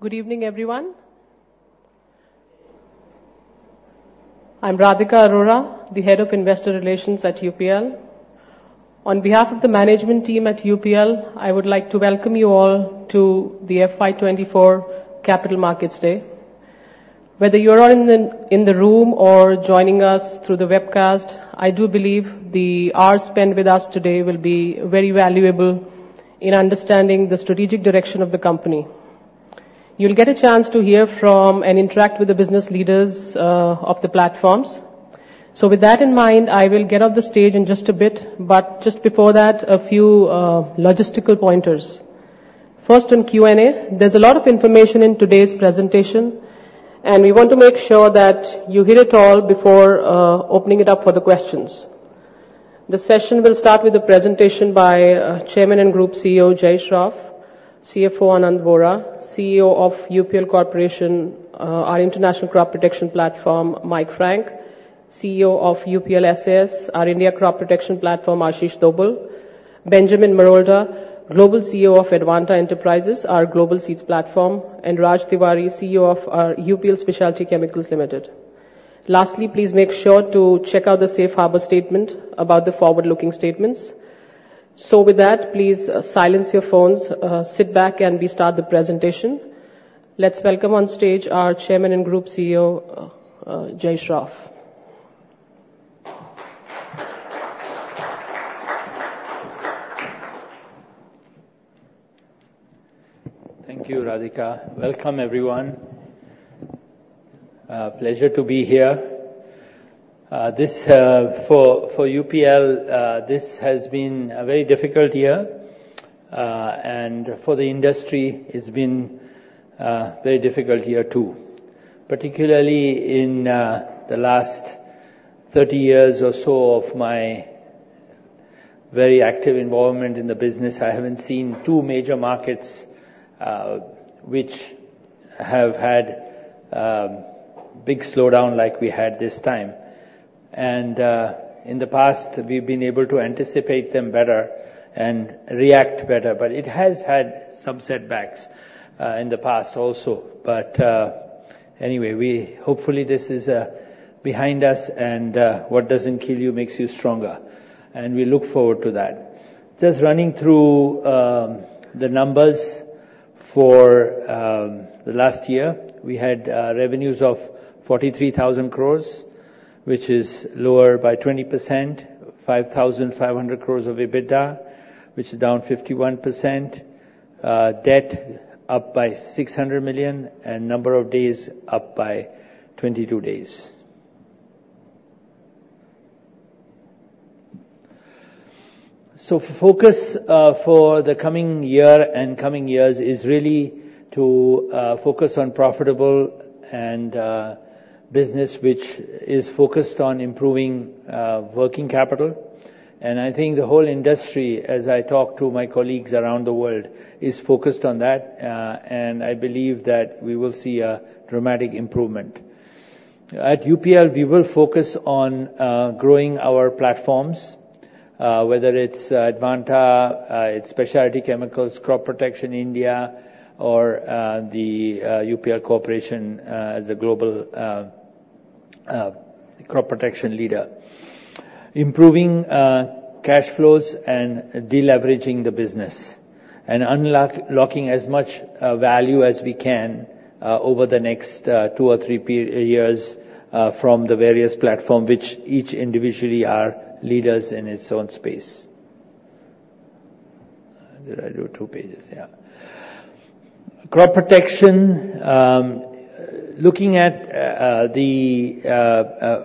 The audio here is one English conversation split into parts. Good evening, everyone. I'm Radhika Arora, the Head of Investor Relations at UPL. On behalf of the management team at UPL, I would like to welcome you all to the FY24 Capital Markets Day. Whether you're all in the room or joining us through the webcast, I do believe the hours spent with us today will be very valuable in understanding the strategic direction of the company. You'll get a chance to hear from and interact with the business leaders of the platforms. So with that in mind, I will get off the stage in just a bit, but just before that, a few logistical pointers. First, on Q&A, there's a lot of information in today's presentation, and we want to make sure that you hear it all before opening it up for the questions. The session will start with a presentation by Chairman and Group CEO Jai Shroff, CFO Anand Vora, CEO of UPL Corporation, our International Crop Protection Platform, Mike Frank, CEO of UPL SAS, our India Crop Protection Platform, Ashish Dobhal, Bhupenmin Marolda, Global CEO of Advanta Enterprises, our Global Seeds Platform, and Raj Tiwari, CEO of UPL Specialty Chemicals Limited. Lastly, please make sure to check out the Safe Harbor statement about the forward-looking statements. So with that, please silence your phones, sit back, and we start the presentation. Let's welcome on stage our Chairman and Group CEO Jai Shroff. Thank you, Radhika. Welcome, everyone. Pleasure to be here. This for UPL, this has been a very difficult year, and for the industry, it's been a very difficult year too. Particularly in the last 30 years or so of my very active involvement in the business, I haven't seen two major markets which have had a big slowdown like we had this time. And in the past, we've been able to anticipate them better and react better, but it has had some setbacks in the past also. But anyway, we hopefully this is behind us, and what doesn't kill you makes you stronger, and we look forward to that. Just running through the numbers for the last year, we had revenues of 43,000 crore, which is lower by 20%, 5,500 crore of EBITDA, which is down 51%, debt up by $600 million, and number of days up by 22 days. So focus for the coming year and coming years is really to focus on profitable and business which is focused on improving working capital. And I think the whole industry, as I talk to my colleagues around the world, is focused on that, and I believe that we will see a dramatic improvement. At UPL, we will focus on growing our platforms, whether it's Advanta, it's Specialty Chemicals, Crop Protection India, or the UPL Corporation as a global crop protection leader. Improving cash flows and deleveraging the business, and unlocking as much value as we can over the next two or three years from the various platform which each individually are leaders in its own space. Did I do two pages? Yeah. Crop protection, looking at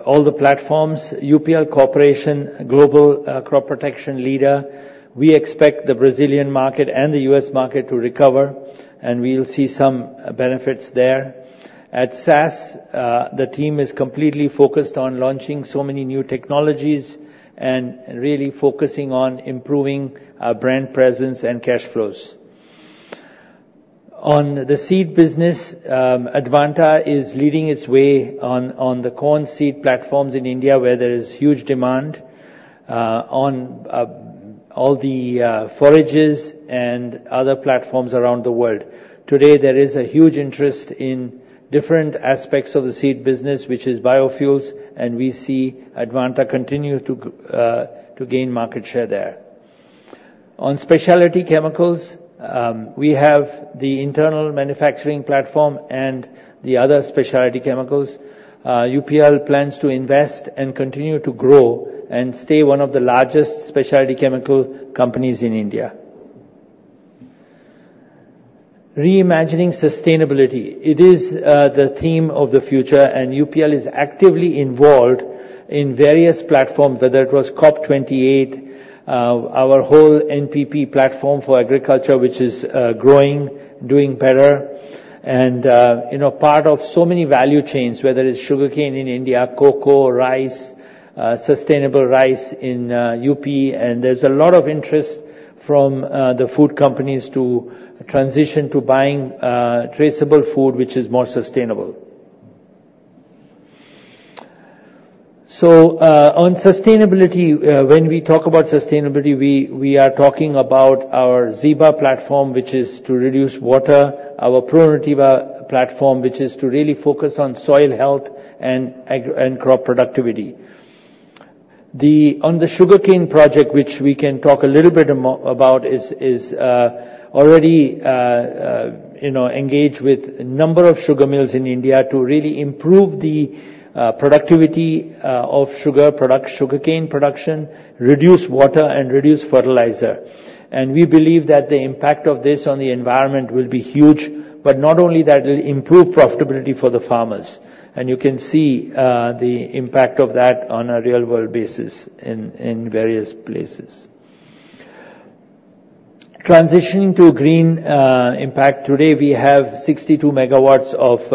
all the platforms, UPL Corporation, global crop protection leader, we expect the Brazilian market and the U.S. market to recover, and we'll see some benefits there. At SAS, the team is completely focused on launching so many new technologies and really focusing on improving brand presence and cash flows. On the seed business, Advanta is leading its way on the corn seed platforms in India where there is huge demand on all the forages and other platforms around the world. Today, there is a huge interest in different aspects of the seed business which is biofuels, and we see Advanta continue to gain market share there. On specialty chemicals, we have the internal manufacturing platform and the other specialty chemicals. UPL plans to invest and continue to grow and stay one of the largest specialty chemical companies in India. Reimagining sustainability, it is the theme of the future, and UPL is actively involved in various platforms, whether it was COP28, our whole NPP platform for agriculture which is growing, doing better, and part of so many value chains, whether it's sugarcane in India, cocoa, rice, sustainable rice in UP, and there's a lot of interest from the food companies to transition to buying traceable food which is more sustainable. So on sustainability, when we talk about sustainability, we are talking about our Zeba platform which is to reduce water, our ProNutiva platform which is to really focus on soil health and crop productivity. On the sugarcane project which we can talk a little bit about, is already engaged with a number of sugar mills in India to really improve the productivity of sugar cane production, reduce water, and reduce fertilizer. We believe that the impact of this on the environment will be huge, but not only that, it will improve profitability for the farmers. You can see the impact of that on a real-world basis in various places. Transitioning to green impact, today we have 62 megawatts of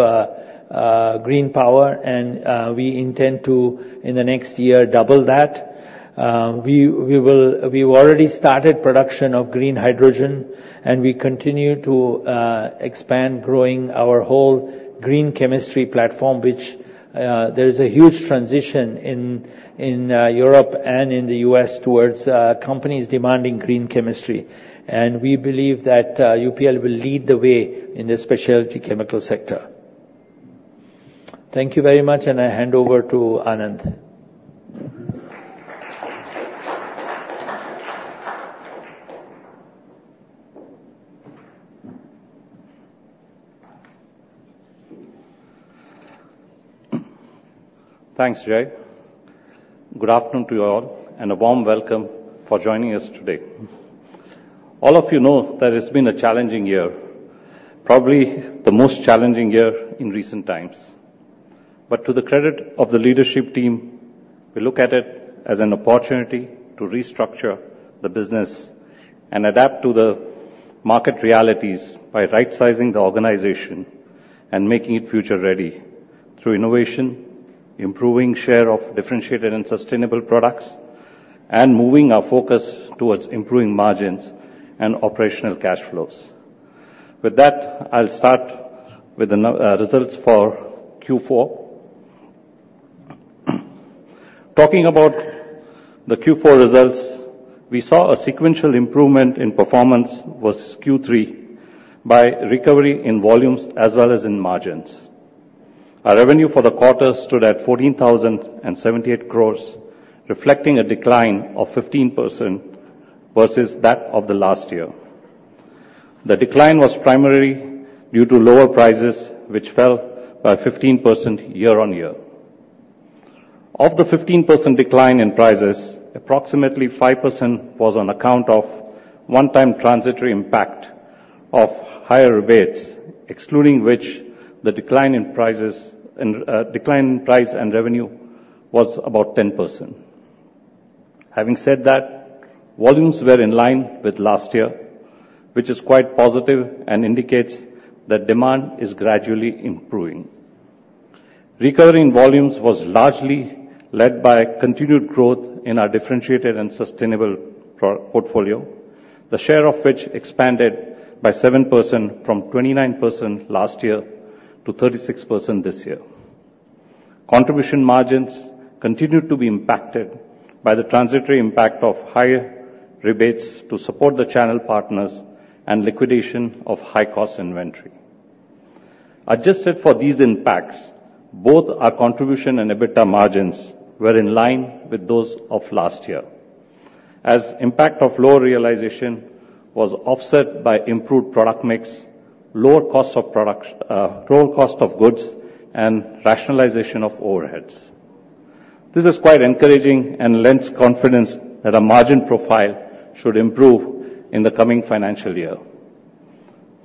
green power, and we intend to, in the next year, double that. We've already started production of green hydrogen, and we continue to expand, growing our whole green chemistry platform which there is a huge transition in Europe and in the U.S. towards companies demanding green chemistry. We believe that UPL will lead the way in the specialty chemical sector. Thank you very much, and I hand over to Anand. Thanks, Jai. Good afternoon to you all, and a warm welcome for joining us today. All of you know that it's been a challenging year, probably the most challenging year in recent times. But to the credit of the leadership team, we look at it as an opportunity to restructure the business and adapt to the market realities by right-sizing the organization and making it future-ready through innovation, improving share of differentiated and sustainable products, and moving our focus towards improving margins and operational cash flows. With that, I'll start with the results for Q4. Talking about the Q4 results, we saw a sequential improvement in performance versus Q3 by recovery in volumes as well as in margins. Our revenue for the quarter stood at 14,078 crores, reflecting a decline of 15% versus that of the last year. The decline was primarily due to lower prices which fell by 15% year-on-year. Of the 15% decline in prices, approximately 5% was on account of one-time transitory impact of higher rebates, excluding which the decline in price and revenue was about 10%. Having said that, volumes were in line with last year, which is quite positive and indicates that demand is gradually improving. Recovery in volumes was largely led by continued growth in our differentiated and sustainable portfolio, the share of which expanded by 7% from 29% last year to 36% this year. Contribution margins continued to be impacted by the transitory impact of higher rebates to support the channel partners and liquidation of high-cost inventory. Adjusted for these impacts, both our contribution and EBITDA margins were in line with those of last year, as the impact of lower realization was offset by improved product mix, lower cost of goods, and rationalization of overheads. This is quite encouraging and lends confidence that our margin profile should improve in the coming financial year.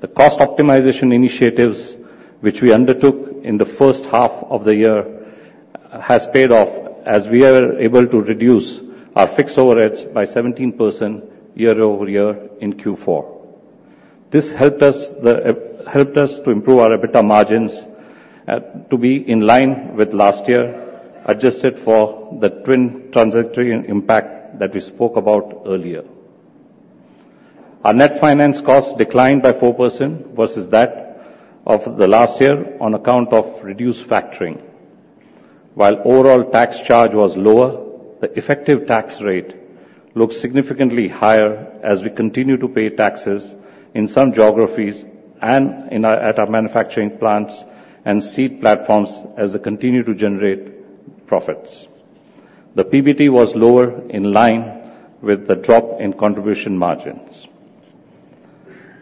The cost optimization initiatives which we undertook in the first half of the year have paid off, as we were able to reduce our fixed overheads by 17% year-over-year in Q4. This helped us to improve our EBITDA margins to be in line with last year, adjusted for the twin transitory impact that we spoke about earlier. Our net finance costs declined by 4% versus that of the last year on account of reduced factoring. While the overall tax charge was lower, the effective tax rate looked significantly higher as we continue to pay taxes in some geographies and at our manufacturing plants and seed platforms as they continue to generate profits. The PBT was lower in line with the drop in contribution margins.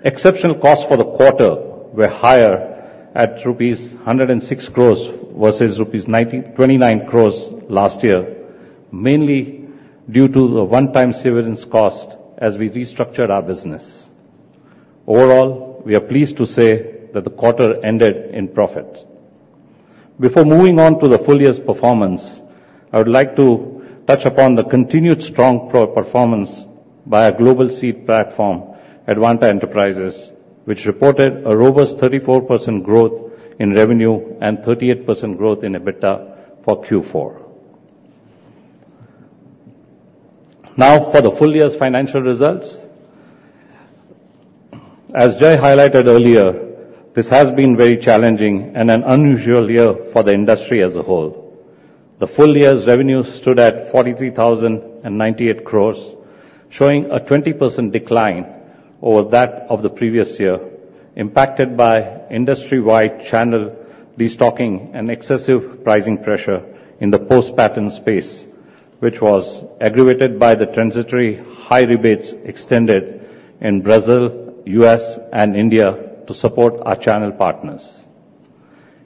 Exceptional costs for the quarter were higher at rupees 106 crores versus rupees 29 crores last year, mainly due to the one-time severance cost as we restructured our business. Overall, we are pleased to say that the quarter ended in profits. Before moving on to the full year's performance, I would like to touch upon the continued strong performance by our global seed platform, Advanta Enterprises, which reported a robust 34% growth in revenue and 38% growth in EBITDA for Q4. Now, for the full year's financial results. As Jai highlighted earlier, this has been very challenging and an unusual year for the industry as a whole. The full year's revenue stood at 43,098 crore, showing a 20% decline over that of the previous year, impacted by industry-wide channel restocking and excessive pricing pressure in the post-patent space, which was aggravated by the transitory high rebates extended in Brazil, U.S., and India to support our channel partners.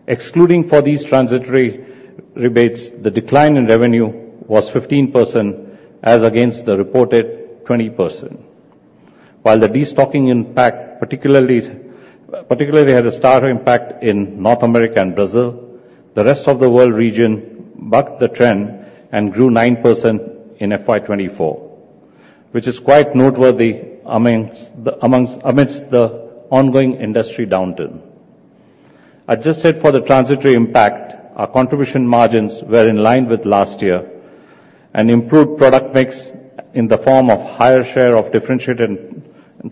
Excluding for these transitory rebates, the decline in revenue was 15% as against the reported 20%. While the restocking impact particularly had a starker impact in North America and Brazil, the rest of the world region bucked the trend and grew 9% in FY24, which is quite noteworthy amidst the ongoing industry downturn. Adjusted for the transitory impact, our contribution margins were in line with last year and improved product mix in the form of a higher share of differentiated and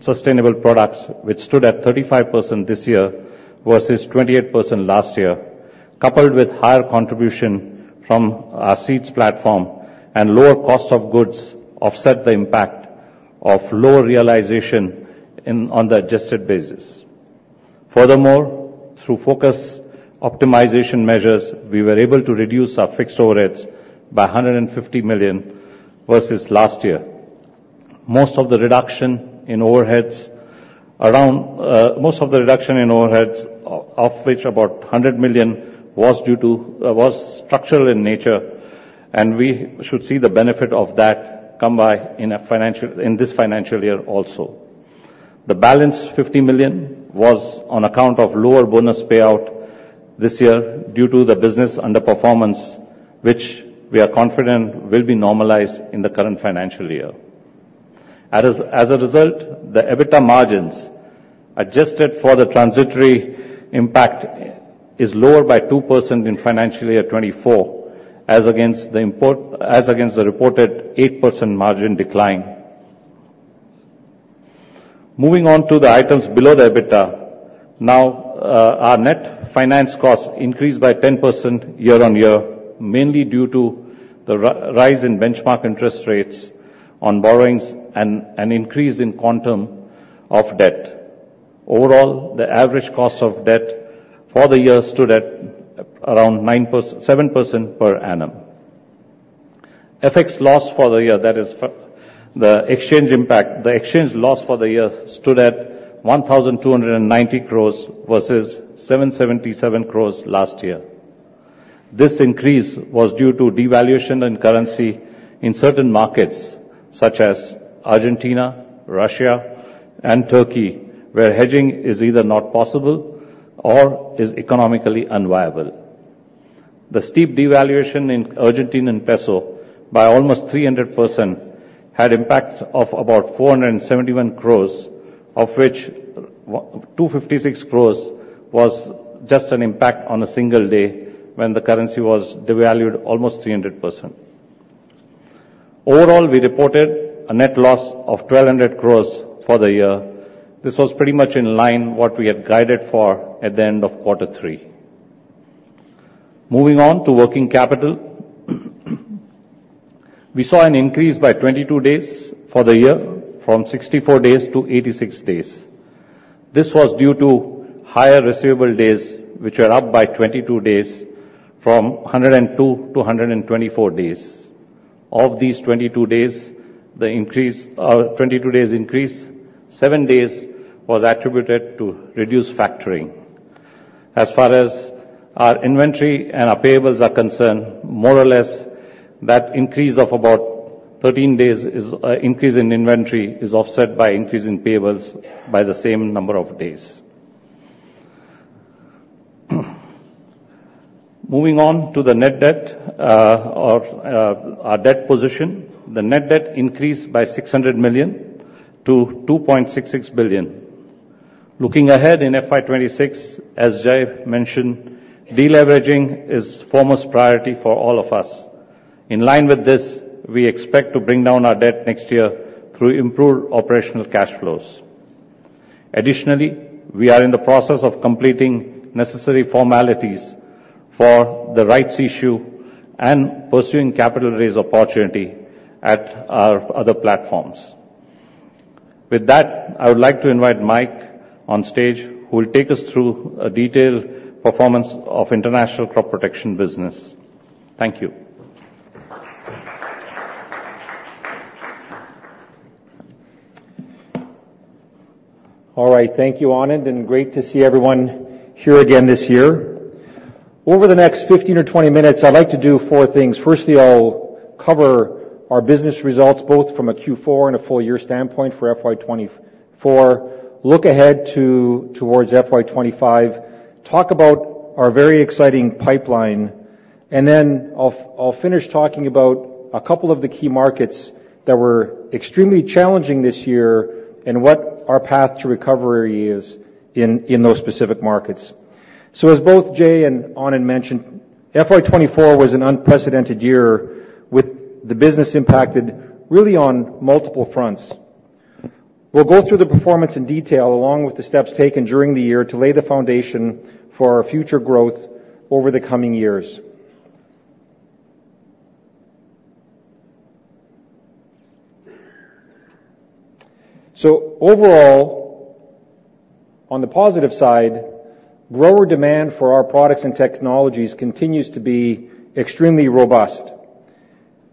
sustainable products which stood at 35% this year versus 28% last year, coupled with higher contribution from our seeds platform and lower cost of goods offset the impact of lower realization on the adjusted basis. Furthermore, through focus optimization measures, we were able to reduce our fixed overheads by 150 million versus last year. Most of the reduction in overheads, of which about 100 million, was structural in nature, and we should see the benefit of that come by in this financial year also. The balance 50 million was on account of lower bonus payout this year due to the business underperformance, which we are confident will be normalized in the current financial year. As a result, the EBITDA margins adjusted for the transitory impact are lower by 2% in financial year 2024 as against the reported 8% margin decline. Moving on to the items below the EBITDA, now our net finance costs increased by 10% year-on-year, mainly due to the rise in benchmark interest rates on borrowings and an increase in quantum of debt. Overall, the average cost of debt for the year stood at around 7% per annum. FX loss for the year, that is, the exchange impact, the exchange loss for the year stood at 1,290 crores versus 777 crores last year. This increase was due to devaluation in currency in certain markets such as Argentina, Russia, and Turkey where hedging is either not possible or is economically unviable. The steep devaluation in the Argentine Peso by almost 300% had an impact of about 471 crores, of which 256 crores was just an impact on a single day when the currency was devalued almost 300%. Overall, we reported a net loss of 1,200 crores for the year. This was pretty much in line with what we had guided for at the end of quarter three. Moving on to working capital. We saw an increase by 22 days for the year from 64 days to 86 days. This was due to higher receivable days which were up by 22 days from 102 to 124 days. Of these 22 days, the increase 22 days' increase, seven days, was attributed to reduced factoring. As far as our inventory and our payables are concerned, more or less, that increase of about 13 days is an increase in inventory is offset by an increase in payables by the same number of days. Moving on to the net debt or our debt position, the net debt increased by $600 million to $2.66 billion. Looking ahead in FY26, as Jai mentioned, deleveraging is the foremost priority for all of us. In line with this, we expect to bring down our debt next year through improved operational cash flows. Additionally, we are in the process of completing necessary formalities for the rights issue and pursuing capital raise opportunity at our other platforms. With that, I would like to invite Mike on stage who will take us through a detailed performance of the international crop protection business. Thank you. All right, thank you, Anand, and great to see everyone here again this year. Over the next 15 or 20 minutes, I'd like to do four things. Firstly, I'll cover our business results both from a Q4 and a full year standpoint for FY24, look ahead towards FY25, talk about our very exciting pipeline, and then I'll finish talking about a couple of the key markets that were extremely challenging this year and what our path to recovery is in those specific markets. So, as both Jai and Anand mentioned, FY24 was an unprecedented year with the business impacted really on multiple fronts. We'll go through the performance in detail along with the steps taken during the year to lay the foundation for our future growth over the coming years. So, overall, on the positive side, grower demand for our products and technologies continues to be extremely robust.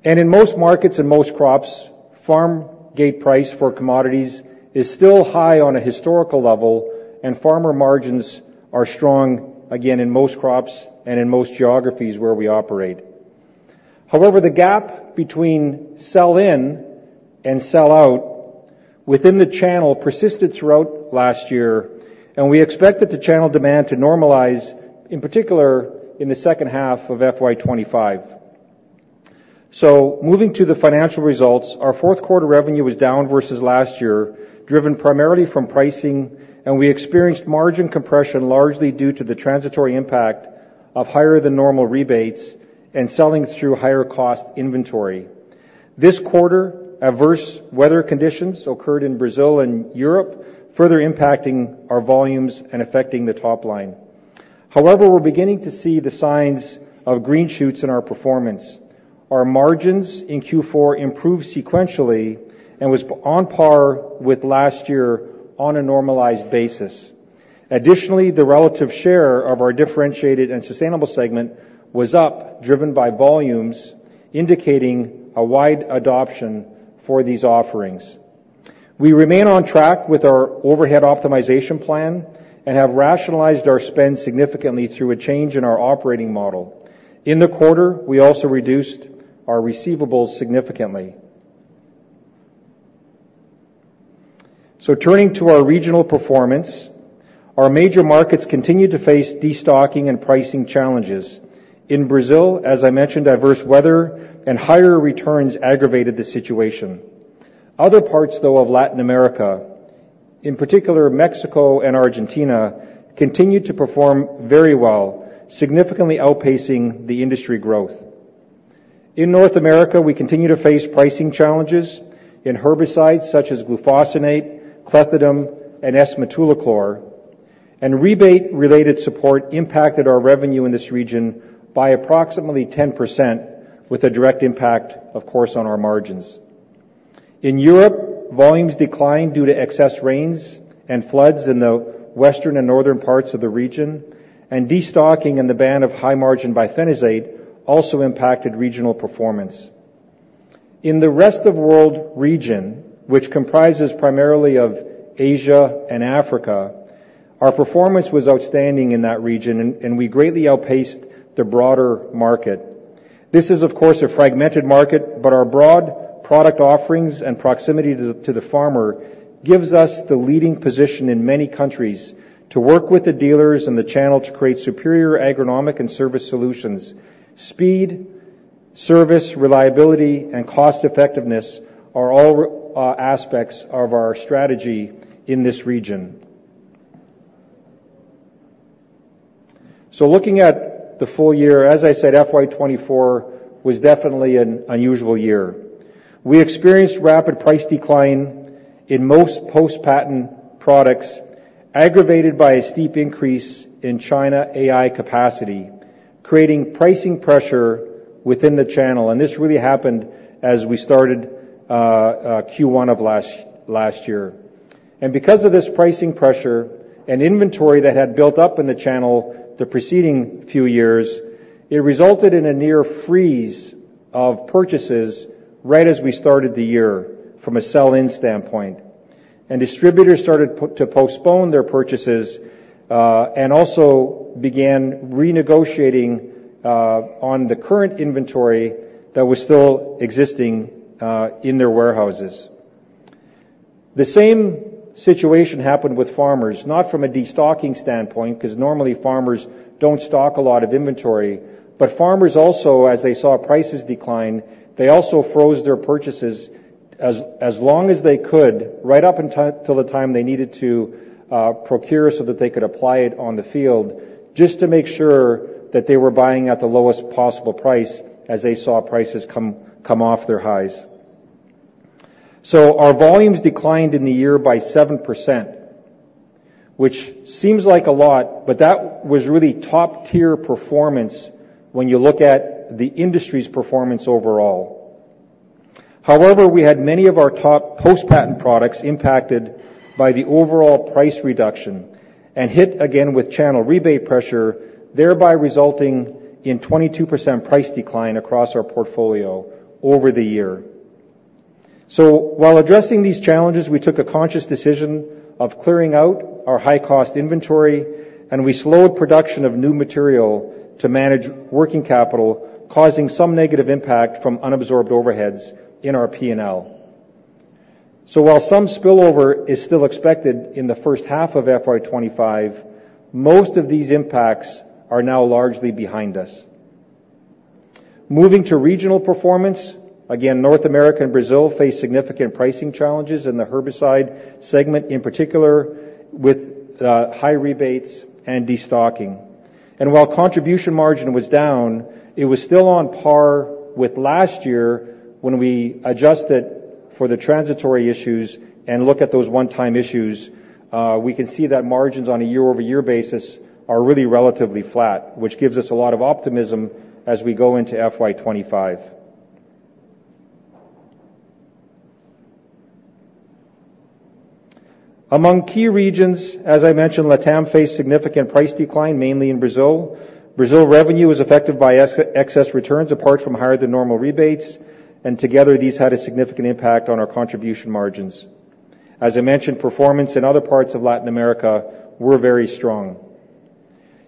In most markets and most crops, the farm gate price for commodities is still high on a historical level, and farmer margins are strong, again, in most crops and in most geographies where we operate. However, the gap between sell-in and sell-out within the channel persisted throughout last year, and we expect that the channel demand to normalize, in particular, in the second half of FY25. Moving to the financial results, our fourth quarter revenue was down versus last year, driven primarily from pricing, and we experienced margin compression largely due to the transitory impact of higher-than-normal rebates and selling through higher-cost inventory. This quarter, adverse weather conditions occurred in Brazil and Europe, further impacting our volumes and affecting the top line. However, we're beginning to see the signs of green shoots in our performance. Our margins in Q4 improved sequentially and were on par with last year on a normalized basis. Additionally, the relative share of our differentiated and sustainable segment was up, driven by volumes, indicating a wide adoption for these offerings. We remain on track with our overhead optimization plan and have rationalized our spend significantly through a change in our operating model. In the quarter, we also reduced our receivables significantly. So, turning to our regional performance, our major markets continue to face destocking and pricing challenges. In Brazil, as I mentioned, adverse weather and higher returns aggravated the situation. Other parts, though, of Latin America, in particular Mexico and Argentina, continued to perform very well, significantly outpacing the industry growth. In North America, we continue to face pricing challenges in herbicides such as Glufosinate, Clethodim, and S-metolachlor, and rebate-related support impacted our revenue in this region by approximately 10%, with a direct impact, of course, on our margins. In Europe, volumes declined due to excess rains and floods in the western and northern parts of the region, and destocking and the ban of high-margin Bifenazate also impacted regional performance. In the rest of the world region, which comprises primarily Asia and Africa, our performance was outstanding in that region, and we greatly outpaced the broader market. This is, of course, a fragmented market, but our broad product offerings and proximity to the farmer give us the leading position in many countries to work with the dealers and the channel to create superior agronomic and service solutions. Speed, service, reliability, and cost-effectiveness are all aspects of our strategy in this region. So, looking at the full year, as I said, FY24 was definitely an unusual year. We experienced rapid price decline in most post-patent products, aggravated by a steep increase in China AI capacity, creating pricing pressure within the channel. And this really happened as we started Q1 of last year. And because of this pricing pressure and inventory that had built up in the channel the preceding few years, it resulted in a near freeze of purchases right as we started the year from a sell-in standpoint. And distributors started to postpone their purchases and also began renegotiating on the current inventory that was still existing in their warehouses. The same situation happened with farmers, not from a destocking standpoint because normally farmers don't stock a lot of inventory, but farmers also, as they saw prices decline, they also froze their purchases as long as they could, right up until the time they needed to procure so that they could apply it on the field, just to make sure that they were buying at the lowest possible price as they saw prices come off their highs. So, our volumes declined in the year by 7%, which seems like a lot, but that was really top-tier performance when you look at the industry's performance overall. However, we had many of our top post-patent products impacted by the overall price reduction and hit, again, with channel rebate pressure, thereby resulting in a 22% price decline across our portfolio over the year. While addressing these challenges, we took a conscious decision of clearing out our high-cost inventory, and we slowed production of new material to manage working capital, causing some negative impact from unabsorbed overheads in our P&L. While some spillover is still expected in the first half of FY25, most of these impacts are now largely behind us. Moving to regional performance, again, North America and Brazil face significant pricing challenges in the herbicide segment in particular, with high rebates and destocking. While contribution margin was down, it was still on par with last year when we adjusted for the transitory issues and look at those one-time issues. We can see that margins on a year-over-year basis are really relatively flat, which gives us a lot of optimism as we go into FY25. Among key regions, as I mentioned, LATAM faced significant price decline, mainly in Brazil. Brazil revenue was affected by excess returns apart from higher-than-normal rebates, and together, these had a significant impact on our contribution margins. As I mentioned, performance in other parts of Latin America was very strong.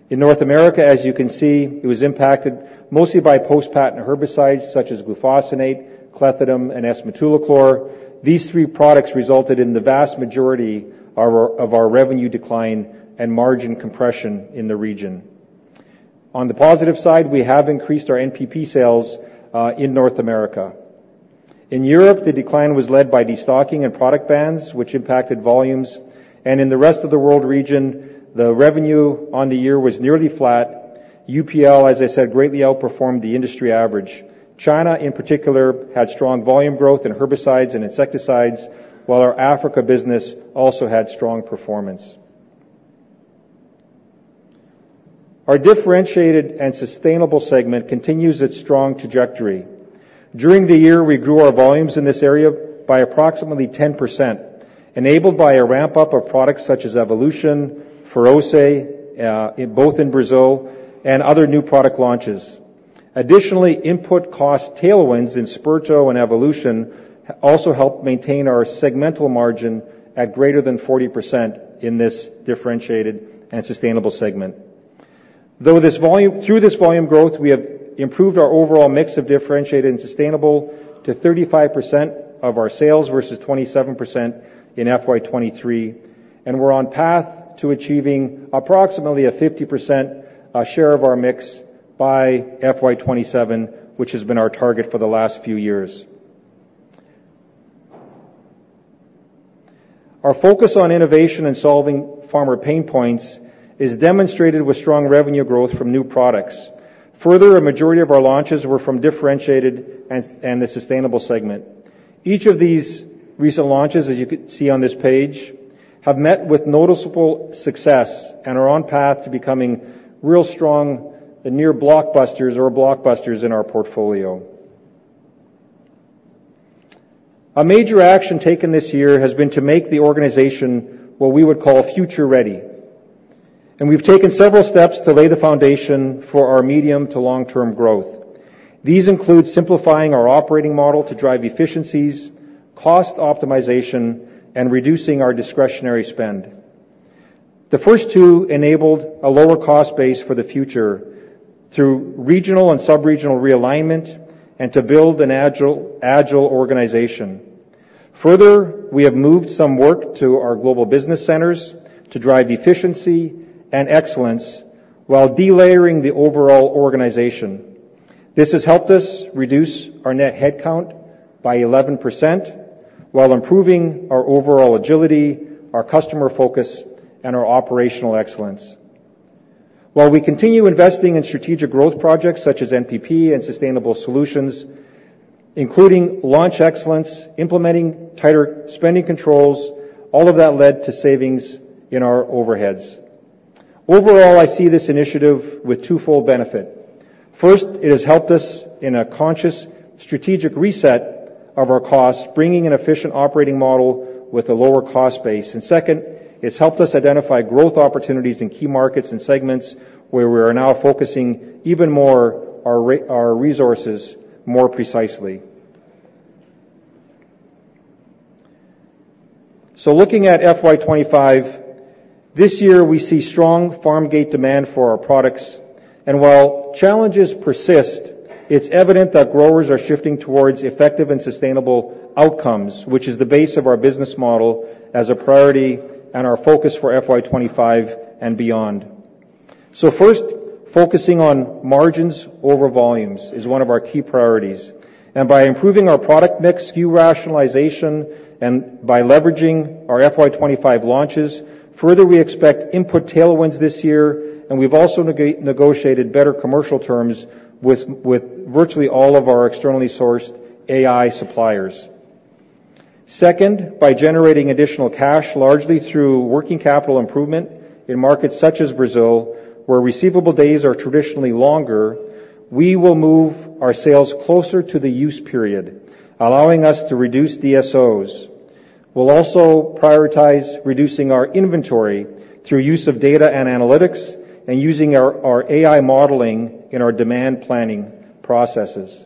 In North America, as you can see, it was impacted mostly by post-patent herbicides such as glufosinate, clethodim, and S-metolachlor. These three products resulted in the vast majority of our revenue decline and margin compression in the region. On the positive side, we have increased our NPP sales in North America. In Europe, the decline was led by destocking and product bans, which impacted volumes. In the rest of the world region, the revenue on the year was nearly flat. UPL, as I said, greatly outperformed the industry average. China, in particular, had strong volume growth in herbicides and insecticides, while our Africa business also had strong performance. Our differentiated and sustainable segment continues its strong trajectory. During the year, we grew our volumes in this area by approximately 10%, enabled by a ramp-up of products such as Evolution, Feroce, both in Brazil, and other new product launches. Additionally, input cost tailwinds in Sperto and Evolution also helped maintain our segmental margin at greater than 40% in this differentiated and sustainable segment. Though through this volume growth, we have improved our overall mix of differentiated and sustainable to 35% of our sales versus 27% in FY2023, and we're on path to achieving approximately a 50% share of our mix by FY2027, which has been our target for the last few years. Our focus on innovation and solving farmer pain points is demonstrated with strong revenue growth from new products. Further, a majority of our launches were from differentiated and the sustainable segment. Each of these recent launches, as you can see on this page, have met with noticeable success and are on path to becoming real strong, near-blockbusters or blockbusters in our portfolio. A major action taken this year has been to make the organization what we would call future-ready. We've taken several steps to lay the foundation for our medium-to-long-term growth. These include simplifying our operating model to drive efficiencies, cost optimization, and reducing our discretionary spend. The first two enabled a lower cost base for the future through regional and subregional realignment and to build an agile organization. Further, we have moved some work to our global business centers to drive efficiency and excellence while delayering the overall organization. This has helped us reduce our net headcount by 11% while improving our overall agility, our customer focus, and our operational excellence. While we continue investing in strategic growth projects such as NPP and sustainable solutions, including launch excellence, implementing tighter spending controls, all of that led to savings in our overheads. Overall, I see this initiative with twofold benefit. First, it has helped us in a conscious strategic reset of our costs, bringing an efficient operating model with a lower cost base. And second, it's helped us identify growth opportunities in key markets and segments where we are now focusing even more our resources more precisely. So, looking at FY25, this year we see strong farm gate demand for our products. And while challenges persist, it's evident that growers are shifting towards effective and sustainable outcomes, which is the base of our business model as a priority and our focus for FY25 and beyond. So, first, focusing on margins over volumes is one of our key priorities. By improving our product mix, SKU rationalization, and by leveraging our FY25 launches, further we expect input tailwinds this year, and we've also negotiated better commercial terms with virtually all of our externally sourced AI suppliers. Second, by generating additional cash, largely through working capital improvement in markets such as Brazil, where receivable days are traditionally longer, we will move our sales closer to the use period, allowing us to reduce DSOs. We'll also prioritize reducing our inventory through use of data and analytics and using our AI modeling in our demand planning processes.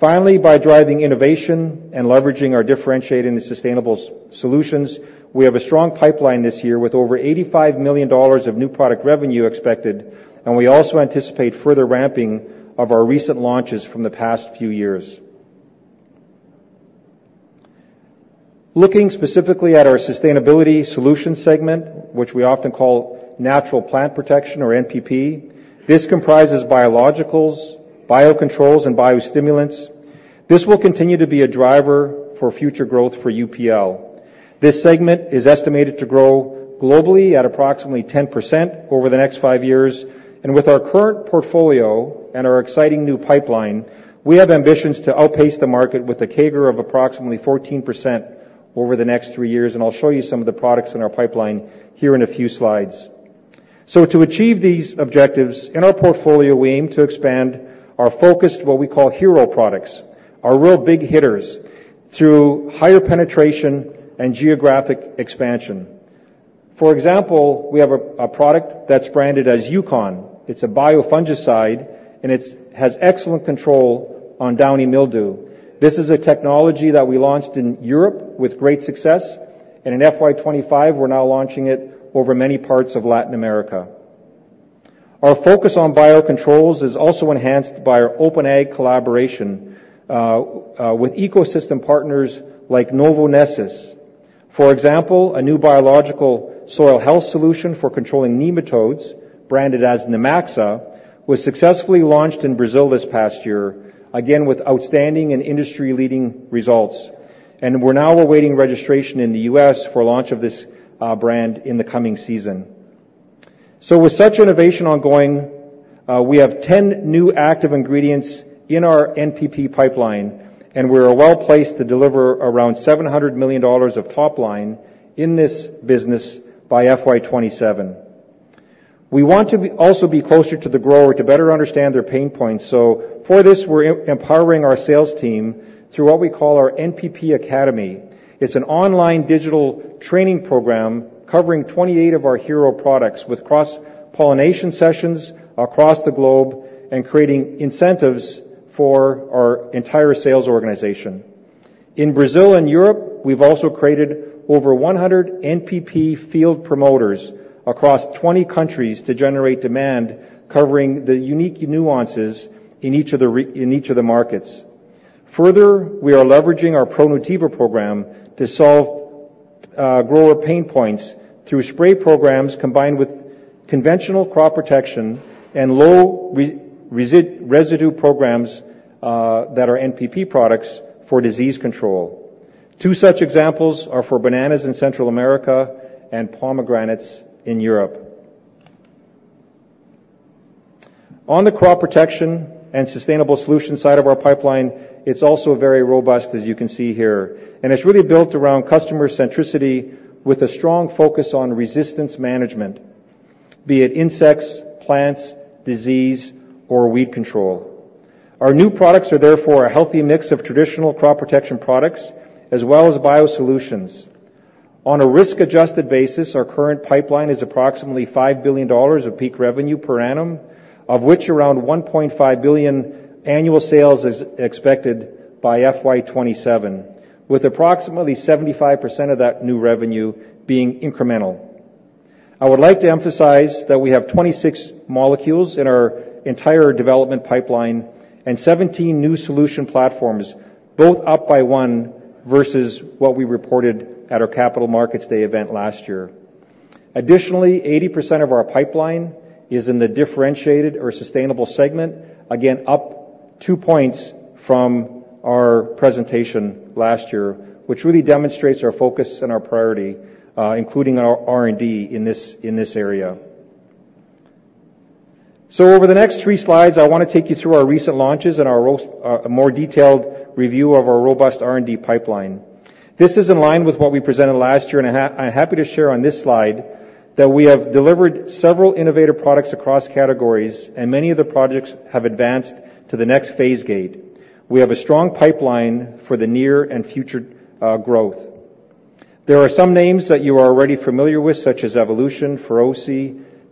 Finally, by driving innovation and leveraging our differentiated and sustainable solutions, we have a strong pipeline this year with over $85 million of new product revenue expected, and we also anticipate further ramping of our recent launches from the past few years. Looking specifically at our sustainability solution segment, which we often call natural plant protection or NPP, this comprises biologicals, biocontrols, and biostimulants. This will continue to be a driver for future growth for UPL. This segment is estimated to grow globally at approximately 10% over the next five years. With our current portfolio and our exciting new pipeline, we have ambitions to outpace the market with a CAGR of approximately 14% over the next three years. I'll show you some of the products in our pipeline here in a few slides. To achieve these objectives, in our portfolio, we aim to expand our focused, what we call hero products, our real big hitters, through higher penetration and geographic expansion. For example, we have a product that's branded as Yukon. It's a biofungicide, and it has excellent control on downy mildew. This is a technology that we launched in Europe with great success. In FY25, we're now launching it over many parts of Latin America. Our focus on biocontrols is also enhanced by our open ag collaboration with ecosystem partners like Novonesis. For example, a new biological soil health solution for controlling nematodes, branded as Nemaxa, was successfully launched in Brazil this past year, again with outstanding and industry-leading results. We're now awaiting registration in the U.S. for launch of this brand in the coming season. So, with such innovation ongoing, we have 10 new active ingredients in our NPP pipeline, and we're well placed to deliver around $700 million of top line in this business by FY27. We want to also be closer to the grower to better understand their pain points. For this, we're empowering our sales team through what we call our NPP Academy. It's an online digital training program covering 28 of our hero products with cross-pollination sessions across the globe and creating incentives for our entire sales organization. In Brazil and Europe, we've also created over 100 NPP field promoters across 20 countries to generate demand, covering the unique nuances in each of the markets. Further, we are leveraging our ProNutiva program to solve grower pain points through spray programs combined with conventional crop protection and low-residue programs that are NPP products for disease control. Two such examples are for bananas in Central America and pomegranates in Europe. On the crop protection and sustainable solutions side of our pipeline, it's also very robust, as you can see here. It's really built around customer centricity with a strong focus on resistance management, be it insects, plants, disease, or weed control. Our new products are therefore a healthy mix of traditional crop protection products as well as biosolutions. On a risk-adjusted basis, our current pipeline is approximately $5 billion of peak revenue per annum, of which around $1.5 billion annual sales is expected by FY27, with approximately 75% of that new revenue being incremental. I would like to emphasize that we have 26 molecules in our entire development pipeline and 17 new solution platforms, both up by one versus what we reported at our Capital Markets Day event last year. Additionally, 80% of our pipeline is in the differentiated or sustainable segment, again up two points from our presentation last year, which really demonstrates our focus and our priority, including our R&D in this area. So, over the next three slides, I want to take you through our recent launches and a more detailed review of our robust R&D pipeline. This is in line with what we presented last year, and I'm happy to share on this slide that we have delivered several innovative products across categories, and many of the projects have advanced to the next phase gate. We have a strong pipeline for the near and future growth. There are some names that you are already familiar with, such as Evolution, Feroce,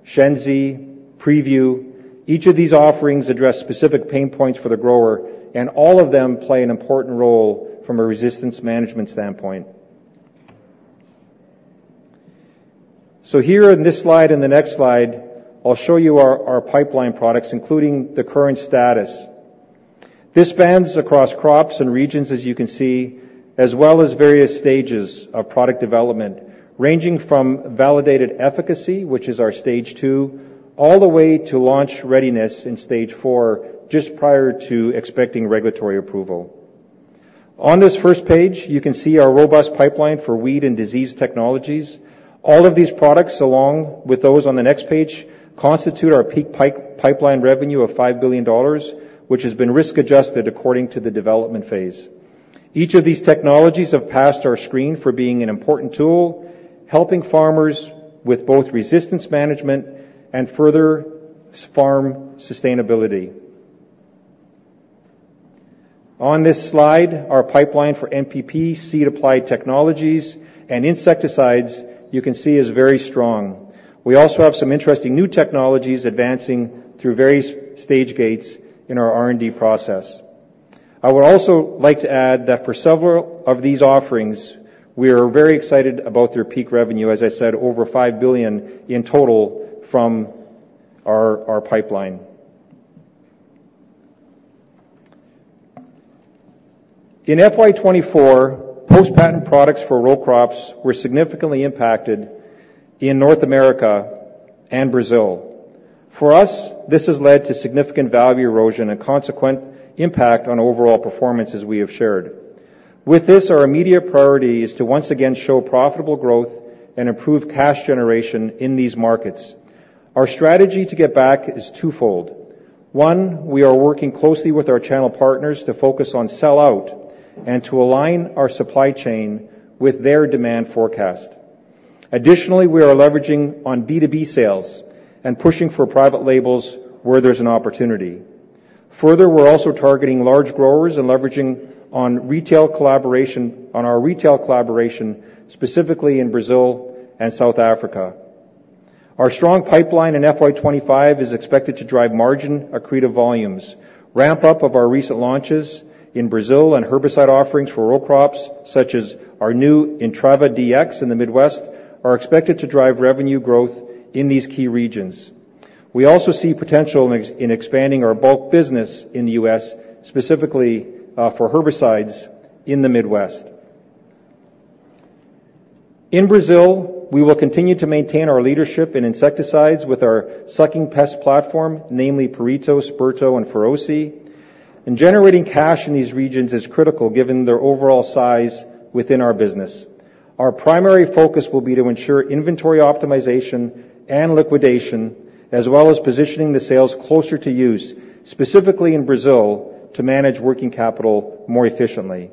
Shenzi, Preview. Each of these offerings addresses specific pain points for the grower, and all of them play an important role from a resistance management standpoint. So, here on this slide and the next slide, I'll show you our pipeline products, including the current status. This spans across crops and regions, as you can see, as well as various stages of product development, ranging from validated efficacy, which is our stage 2, all the way to launch readiness in stage 4, just prior to expecting regulatory approval. On this first page, you can see our robust pipeline for weed and disease technologies. All of these products, along with those on the next page, constitute our peak pipeline revenue of $5 billion, which has been risk-adjusted according to the development phase. Each of these technologies has passed our screen for being an important tool, helping farmers with both resistance management and further farm sustainability. On this slide, our pipeline for NPP, seed-applied technologies, and insecticides, you can see, is very strong. We also have some interesting new technologies advancing through various stage gates in our R&D process. I would also like to add that for several of these offerings, we are very excited about their peak revenue, as I said, over $5 billion in total from our pipeline. In FY24, post-patent products for row crops were significantly impacted in North America and Brazil. For us, this has led to significant value erosion and consequent impact on overall performance, as we have shared. With this, our immediate priority is to once again show profitable growth and improve cash generation in these markets. Our strategy to get back is twofold. One, we are working closely with our channel partners to focus on sell-out and to align our supply chain with their demand forecast. Additionally, we are leveraging on B2B sales and pushing for private labels where there's an opportunity. Further, we're also targeting large growers and leveraging on retail collaboration, on our retail collaboration, specifically in Brazil and South Africa. Our strong pipeline in FY25 is expected to drive margin accretive volumes. Ramp-up of our recent launches in Brazil and herbicide offerings for row crops, such as our new Intrava DX in the Midwest, are expected to drive revenue growth in these key regions. We also see potential in expanding our bulk business in the U.S., specifically for herbicides in the Midwest. In Brazil, we will continue to maintain our leadership in insecticides with our sucking pest platform, namely Perito, Sperto, and Feroce. Generating cash in these regions is critical, given their overall size within our business. Our primary focus will be to ensure inventory optimization and liquidation, as well as positioning the sales closer to use, specifically in Brazil, to manage working capital more efficiently.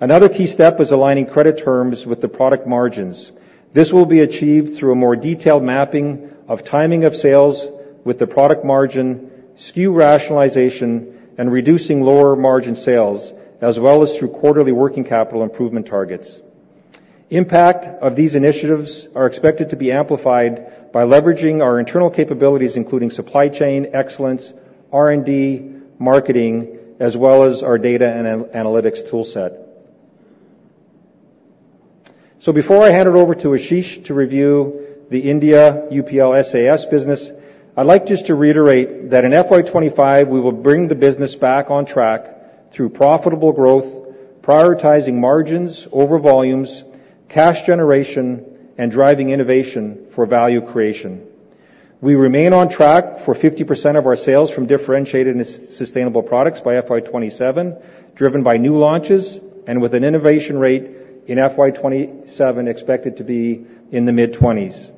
Another key step is aligning credit terms with the product margins. This will be achieved through a more detailed mapping of timing of sales with the product margin, SKU rationalization, and reducing lower margin sales, as well as through quarterly working capital improvement targets. Impact of these initiatives is expected to be amplified by leveraging our internal capabilities, including supply chain excellence, R&D, marketing, as well as our data and analytics toolset. So, before I hand it over to Ashish to review the India UPL SAS business, I'd like just to reiterate that in FY25, we will bring the business back on track through profitable growth, prioritizing margins over volumes, cash generation, and driving innovation for value creation. We remain on track for 50% of our sales from differentiated and sustainable products by FY27, driven by new launches and with an innovation rate in FY27 expected to be in the mid-20s.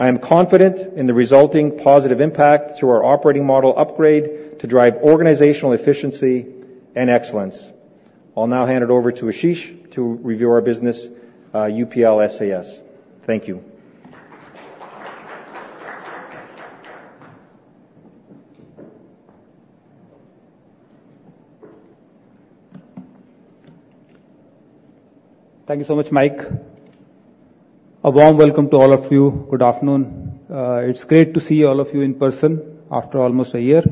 I am confident in the resulting positive impact through our operating model upgrade to drive organizational efficiency and excellence. I'll now hand it over to Ashish to review our business UPL SAS. Thank you. Thank you so much, Mike. A warm welcome to all of you. Good afternoon. It's great to see all of you in person after almost a year.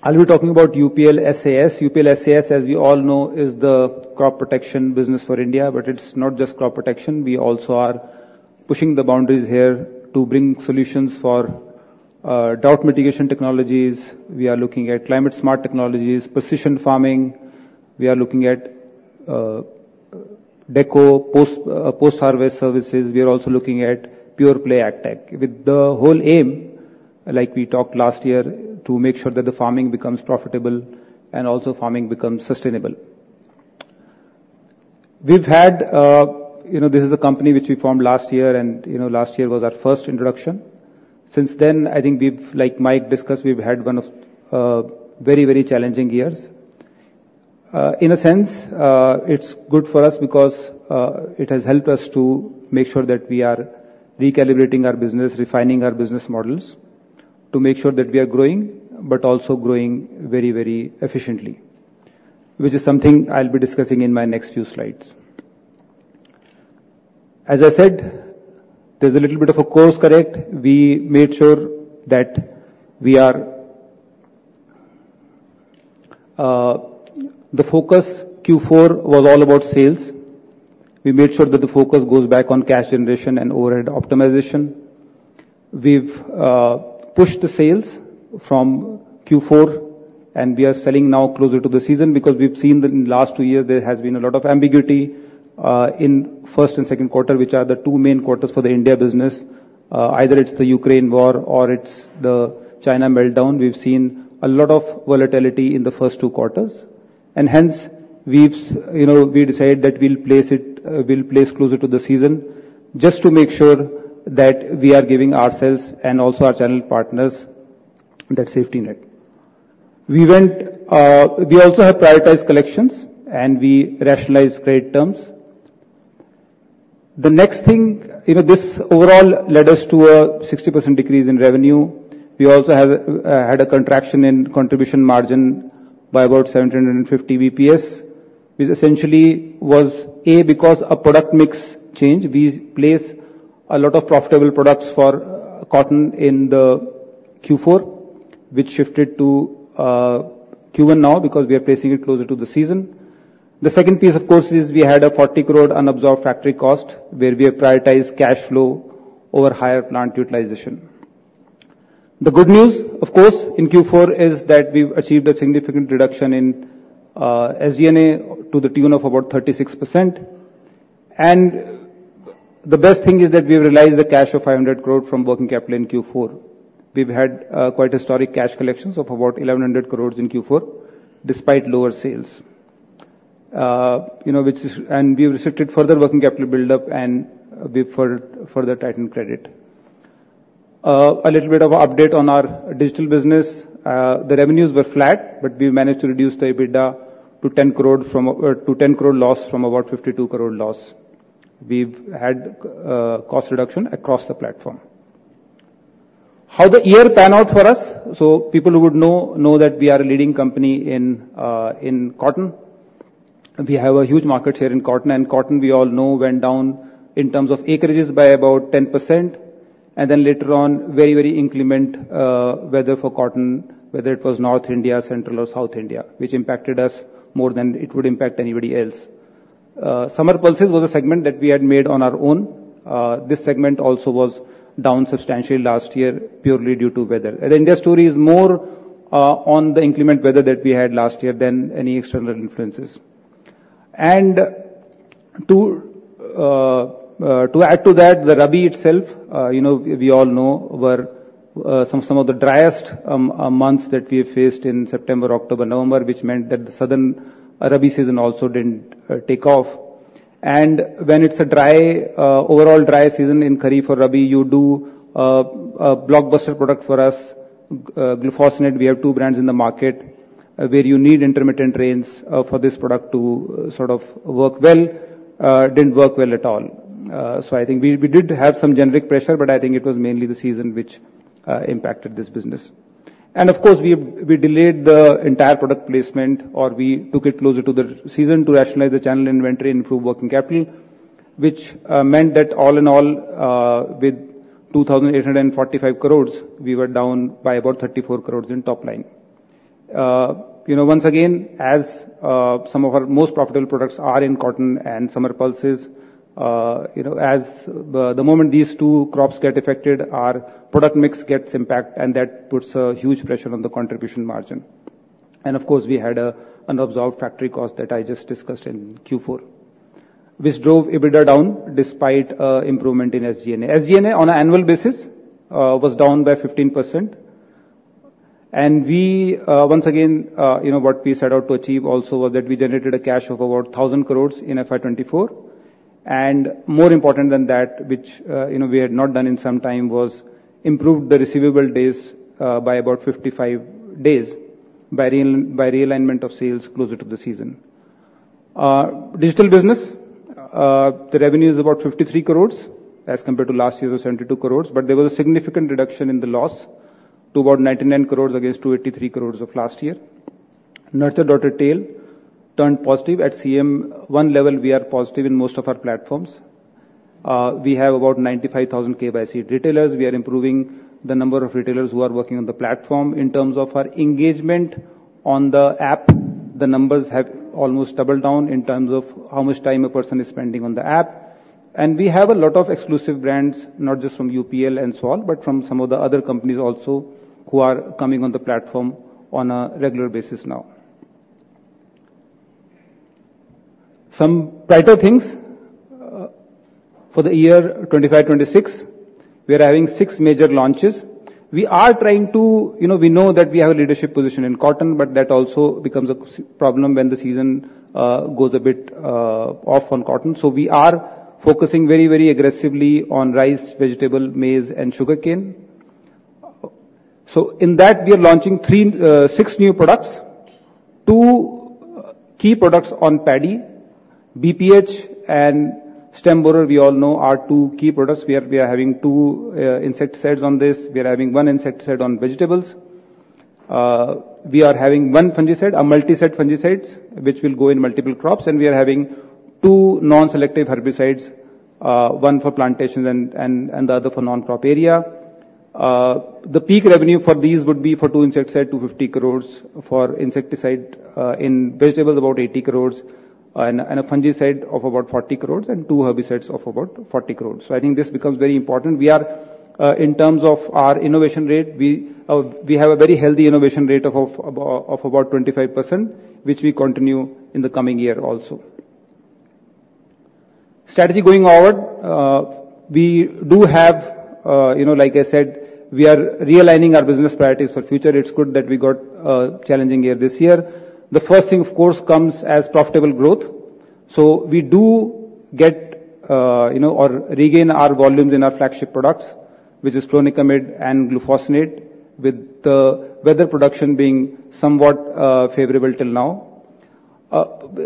I'll be talking about UPL SAS. UPL SAS, as we all know, is the crop protection business for India, but it's not just crop protection. We also are pushing the boundaries here to bring solutions for drought mitigation technologies. We are looking at climate-smart technologies, precision farming. We are looking at DECCO, post-harvest services. We are also looking at PurePlay AgTech, with the whole aim, like we talked last year, to make sure that the farming becomes profitable and also farming becomes sustainable. We've had. This is a company which we formed last year, and last year was our first introduction. Since then, I think we've, like Mike discussed, we've had one of very, very challenging years. In a sense, it's good for us because it has helped us to make sure that we are recalibrating our business, refining our business models, to make sure that we are growing but also growing very, very efficiently, which is something I'll be discussing in my next few slides. As I said, there's a little bit of a course correct. We made sure that we are. The focus Q4 was all about sales. We made sure that the focus goes back on cash generation and overhead optimization. We've pushed the sales from Q4, and we are selling now closer to the season because we've seen in the last two years there has been a lot of ambiguity in first and second quarter, which are the two main quarters for the India business. Either it's the Ukraine war or it's the China meltdown. We've seen a lot of volatility in the first two quarters. And hence, we've decided that we'll place closer to the season just to make sure that we are giving ourselves and also our channel partners that safety net. We also have prioritized collections, and we rationalized credit terms. The next thing this overall led us to a 60% decrease in revenue. We also had a contraction in contribution margin by about 750 bps, which essentially was A because of product mix change. We place a lot of profitable products for cotton in the Q4, which shifted to Q1 now because we are placing it closer to the season. The second piece, of course, is we had an 40 crore unabsorbed factory cost, where we have prioritized cash flow over higher plant utilization. The good news, of course, in Q4 is that we've achieved a significant reduction in SG&A to the tune of about 36%. And the best thing is that we have realized the cash of 500 crore from working capital in Q4. We've had quite historic cash collections of about 1,100 crores in Q4, despite lower sales, which is and we've restricted further working capital buildup and we've further tightened credit. A little bit of an update on our digital business. The revenues were flat, but we managed to reduce the EBITDA to 10 crore from a loss of about 52 crore. We've had cost reduction across the platform. How the year panned out for us, so people who would know that we are a leading company in cotton. We have a huge market share in cotton, and cotton, we all know, went down in terms of acreages by about 10%, and then later on, very, very inclement weather for cotton, whether it was North India, Central India, or South India, which impacted us more than it would impact anybody else. Summer pulses was a segment that we had made on our own. This segment also was down substantially last year purely due to weather. The India story is more on the inclement weather that we had last year than any external influences. To add to that, the Rabi itself, we all know, were some of the driest months that we have faced in September, October, November, which meant that the southern Rabi season also didn't take off. And when it's a dry, overall dry season in Kharif or Rabi, you do a blockbuster product for us, Glufosinate. We have two brands in the market where you need intermittent rains for this product to sort of work well. Didn't work well at all. So I think we did have some generic pressure, but I think it was mainly the season which impacted this business. And of course, we delayed the entire product placement, or we took it closer to the season to rationalize the channel inventory, improve working capital, which meant that all in all, with 2,845 crores, we were down by about 34 crores in top line. Once again, as some of our most profitable products are in cotton and summer pulses, as the moment these two crops get affected, our product mix gets impacted, and that puts a huge pressure on the contribution margin. And of course, we had an unabsorbed factory cost that I just discussed in Q4, which drove EBITDA down despite improvement in SG&A. SG&A, on an annual basis, was down by 15%. And we, once again, what we set out to achieve also was that we generated a cash of about 1,000 crores in FY 2024. And more important than that, which we had not done in some time, was improved the receivable days by about 55 days by realignment of sales closer to the season. Digital business, the revenue is about 53 crores as compared to last year’s 72 crores, but there was a significant reduction in the loss to about 99 crores against 283 crores of last year. nurture.retail turned positive. At CM1 level, we are positive in most of our platforms. We have about 95,000 KYC retailers. We are improving the number of retailers who are working on the platform. In terms of our engagement on the app, the numbers have almost doubled down in terms of how much time a person is spending on the app. And we have a lot of exclusive brands, not just from UPL and so on, but from some of the other companies also who are coming on the platform on a regular basis now. Some brighter things for the year 2025-2026. We are having six major launches. We are trying to we know that we have a leadership position in cotton, but that also becomes a problem when the season goes a bit off on cotton. So we are focusing very, very aggressively on rice, vegetable, maize, and sugarcane. So in that, we are launching 6 new products. 2 key products on paddy, BPH, and stem borer, we all know, are 2 key products. We are having 2 insecticides on this. We are having 1 insecticide on vegetables. We are having 1 fungicide, a multi-site fungicide, which will go in multiple crops. And we are having 2 non-selective herbicides, 1 for plantations and the other for non-crop area. The peak revenue for these would be for 2 insecticides, 250 crore; for insecticide in vegetables, about 80 crore; and a fungicide of about 40 crore; and 2 herbicides of about 40 crore. So I think this becomes very important. In terms of our innovation rate, we have a very healthy innovation rate of about 25%, which we continue in the coming year also. Strategy going forward, we do have, like I said, we are realigning our business priorities for future. It's good that we got a challenging year this year. The first thing, of course, comes as profitable growth. So we do get or regain our volumes in our flagship products, which is Flonicamid and Glufosinate, with the weather production being somewhat favorable till now.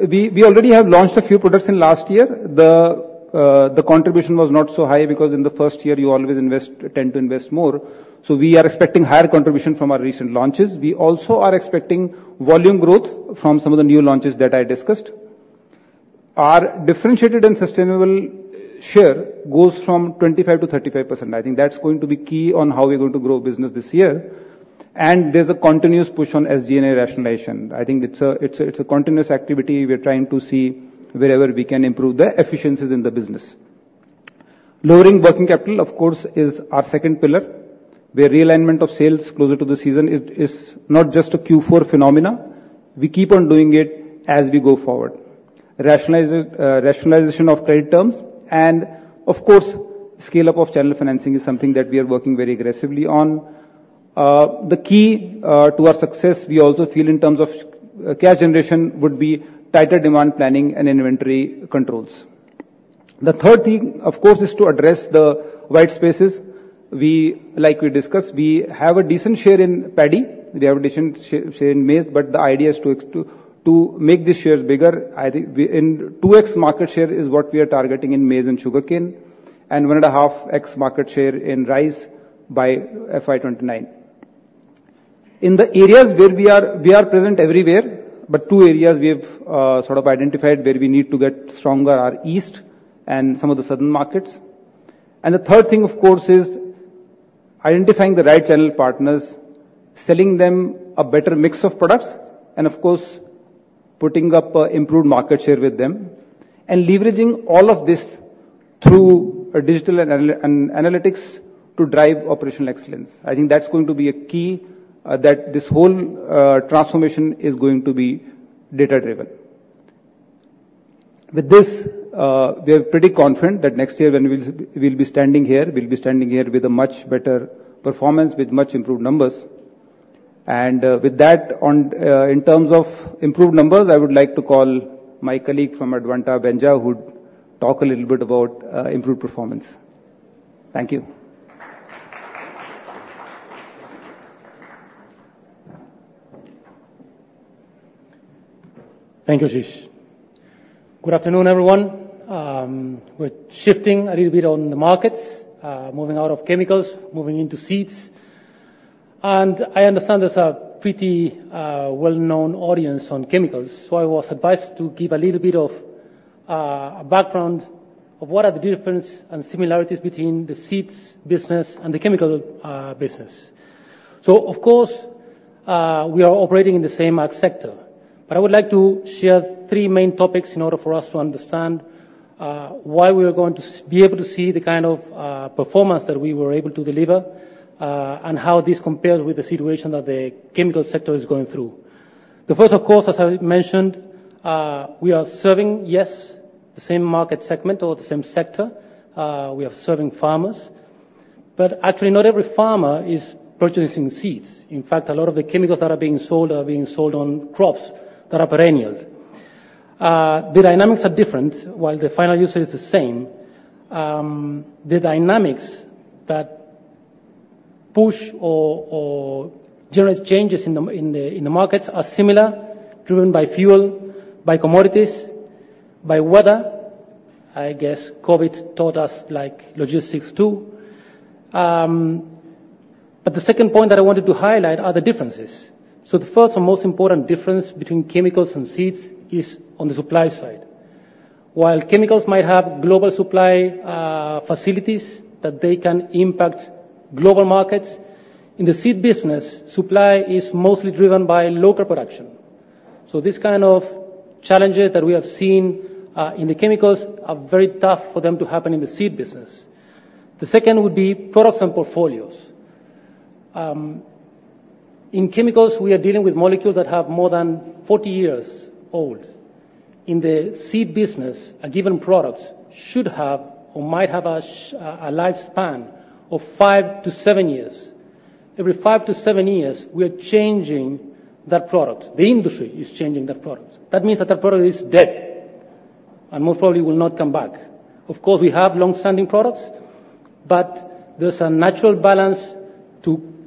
We already have launched a few products in last year. The contribution was not so high because in the first year, you always tend to invest more. So we are expecting higher contribution from our recent launches. We also are expecting volume growth from some of the new launches that I discussed. Our differentiated and sustainable share goes from 25%-35%. I think that's going to be key on how we're going to grow business this year. There's a continuous push on SG&A rationalization. I think it's a continuous activity we're trying to see wherever we can improve the efficiencies in the business. Lowering working capital, of course, is our second pillar, where realignment of sales closer to the season is not just a Q4 phenomenon. We keep on doing it as we go forward. Rationalization of credit terms and, of course, scale-up of channel financing is something that we are working very aggressively on. The key to our success, we also feel in terms of cash generation, would be tighter demand planning and inventory controls. The third thing, of course, is to address the white spaces. Like we discussed, we have a decent share in paddy. We have a decent share in maize, but the idea is to make these shares bigger. I think 2x market share is what we are targeting in maize and sugarcane, and 1.5x market share in rice by FY2029. In the areas where we are present everywhere, but two areas we have sort of identified where we need to get stronger are east and some of the southern markets. And the third thing, of course, is identifying the right channel partners, selling them a better mix of products, and of course, putting up improved market share with them, and leveraging all of this through digital analytics to drive operational excellence. I think that's going to be a key, that this whole transformation is going to be data-driven. With this, we are pretty confident that next year when we'll be standing here, we'll be standing here with a much better performance, with much improved numbers. And with that, in terms of improved numbers, I would like to call my colleague from Advanta, Bhupen, who'd talk a little bit about improved performance. Thank you. Thank you, Ashish. Good afternoon, everyone. We're shifting a little bit on the markets, moving out of chemicals, moving into seeds. And I understand there's a pretty well-known audience on chemicals, so I was advised to give a little bit of a background of what are the differences and similarities between the seeds business and the chemical business. So, of course, we are operating in the same ag sector, but I would like to share three main topics in order for us to understand why we are going to be able to see the kind of performance that we were able to deliver and how this compares with the situation that the chemical sector is going through. The first, of course, as I mentioned, we are serving, yes, the same market segment or the same sector. We are serving farmers, but actually not every farmer is purchasing seeds. In fact, a lot of the chemicals that are being sold are being sold on crops that are perennial. The dynamics are different while the final user is the same. The dynamics that push or generate changes in the markets are similar, driven by fuel, by commodities, by weather. I guess COVID taught us logistics too. But the second point that I wanted to highlight are the differences. So the first and most important difference between chemicals and seeds is on the supply side. While chemicals might have global supply facilities that they can impact global markets, in the seed business, supply is mostly driven by local production. So these kind of challenges that we have seen in the chemicals are very tough for them to happen in the seed business. The second would be products and portfolios. In chemicals, we are dealing with molecules that have more than 40 years old. In the seed business, a given product should have or might have a lifespan of 5-7 years. Every 5-7 years, we are changing that product. The industry is changing that product. That means that that product is dead and most probably will not come back. Of course, we have long-standing products, but there's a natural balance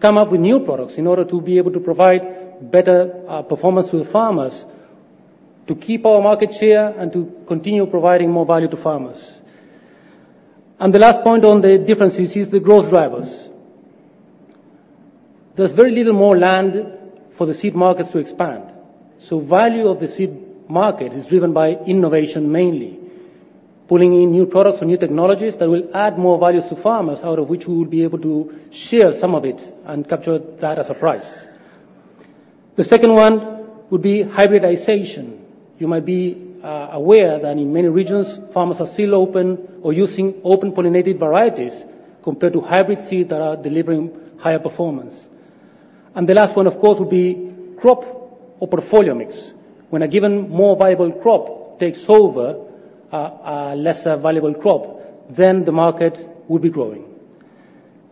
to come up with new products in order to be able to provide better performance to the farmers, to keep our market share, and to continue providing more value to farmers. And the last point on the differences is the growth drivers. There's very little more land for the seed markets to expand. So value of the seed market is driven by innovation mainly, pulling in new products or new technologies that will add more value to farmers, out of which we will be able to share some of it and capture that as a price. The second one would be hybridization. You might be aware that in many regions, farmers are still open or using open-pollinated varieties compared to hybrid seeds that are delivering higher performance. And the last one, of course, would be crop or portfolio mix. When a given more viable crop takes over a lesser viable crop, then the market will be growing.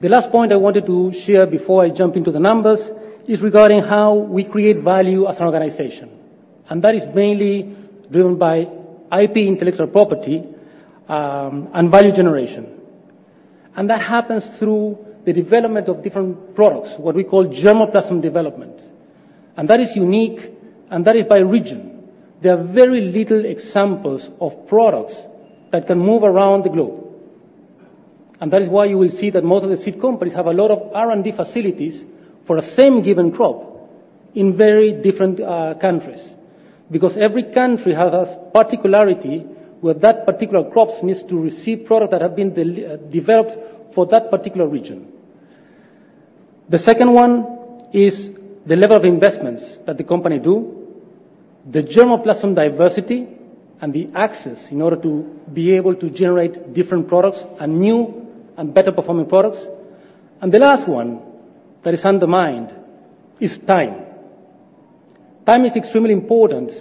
The last point I wanted to share before I jump into the numbers is regarding how we create value as an organization. And that is mainly driven by IP intellectual property and value generation. That happens through the development of different products, what we call germplasm development. That is unique, and that is by region. There are very few examples of products that can move around the globe. That is why you will see that most of the seed companies have a lot of R&D facilities for the same given crop in very different countries because every country has a particularity where that particular crop needs to receive products that have been developed for that particular region. The second one is the level of investments that the company does, the germplasm diversity, and the access in order to be able to generate different products and new and better-performing products. The last one that is undermined is time. Time is extremely important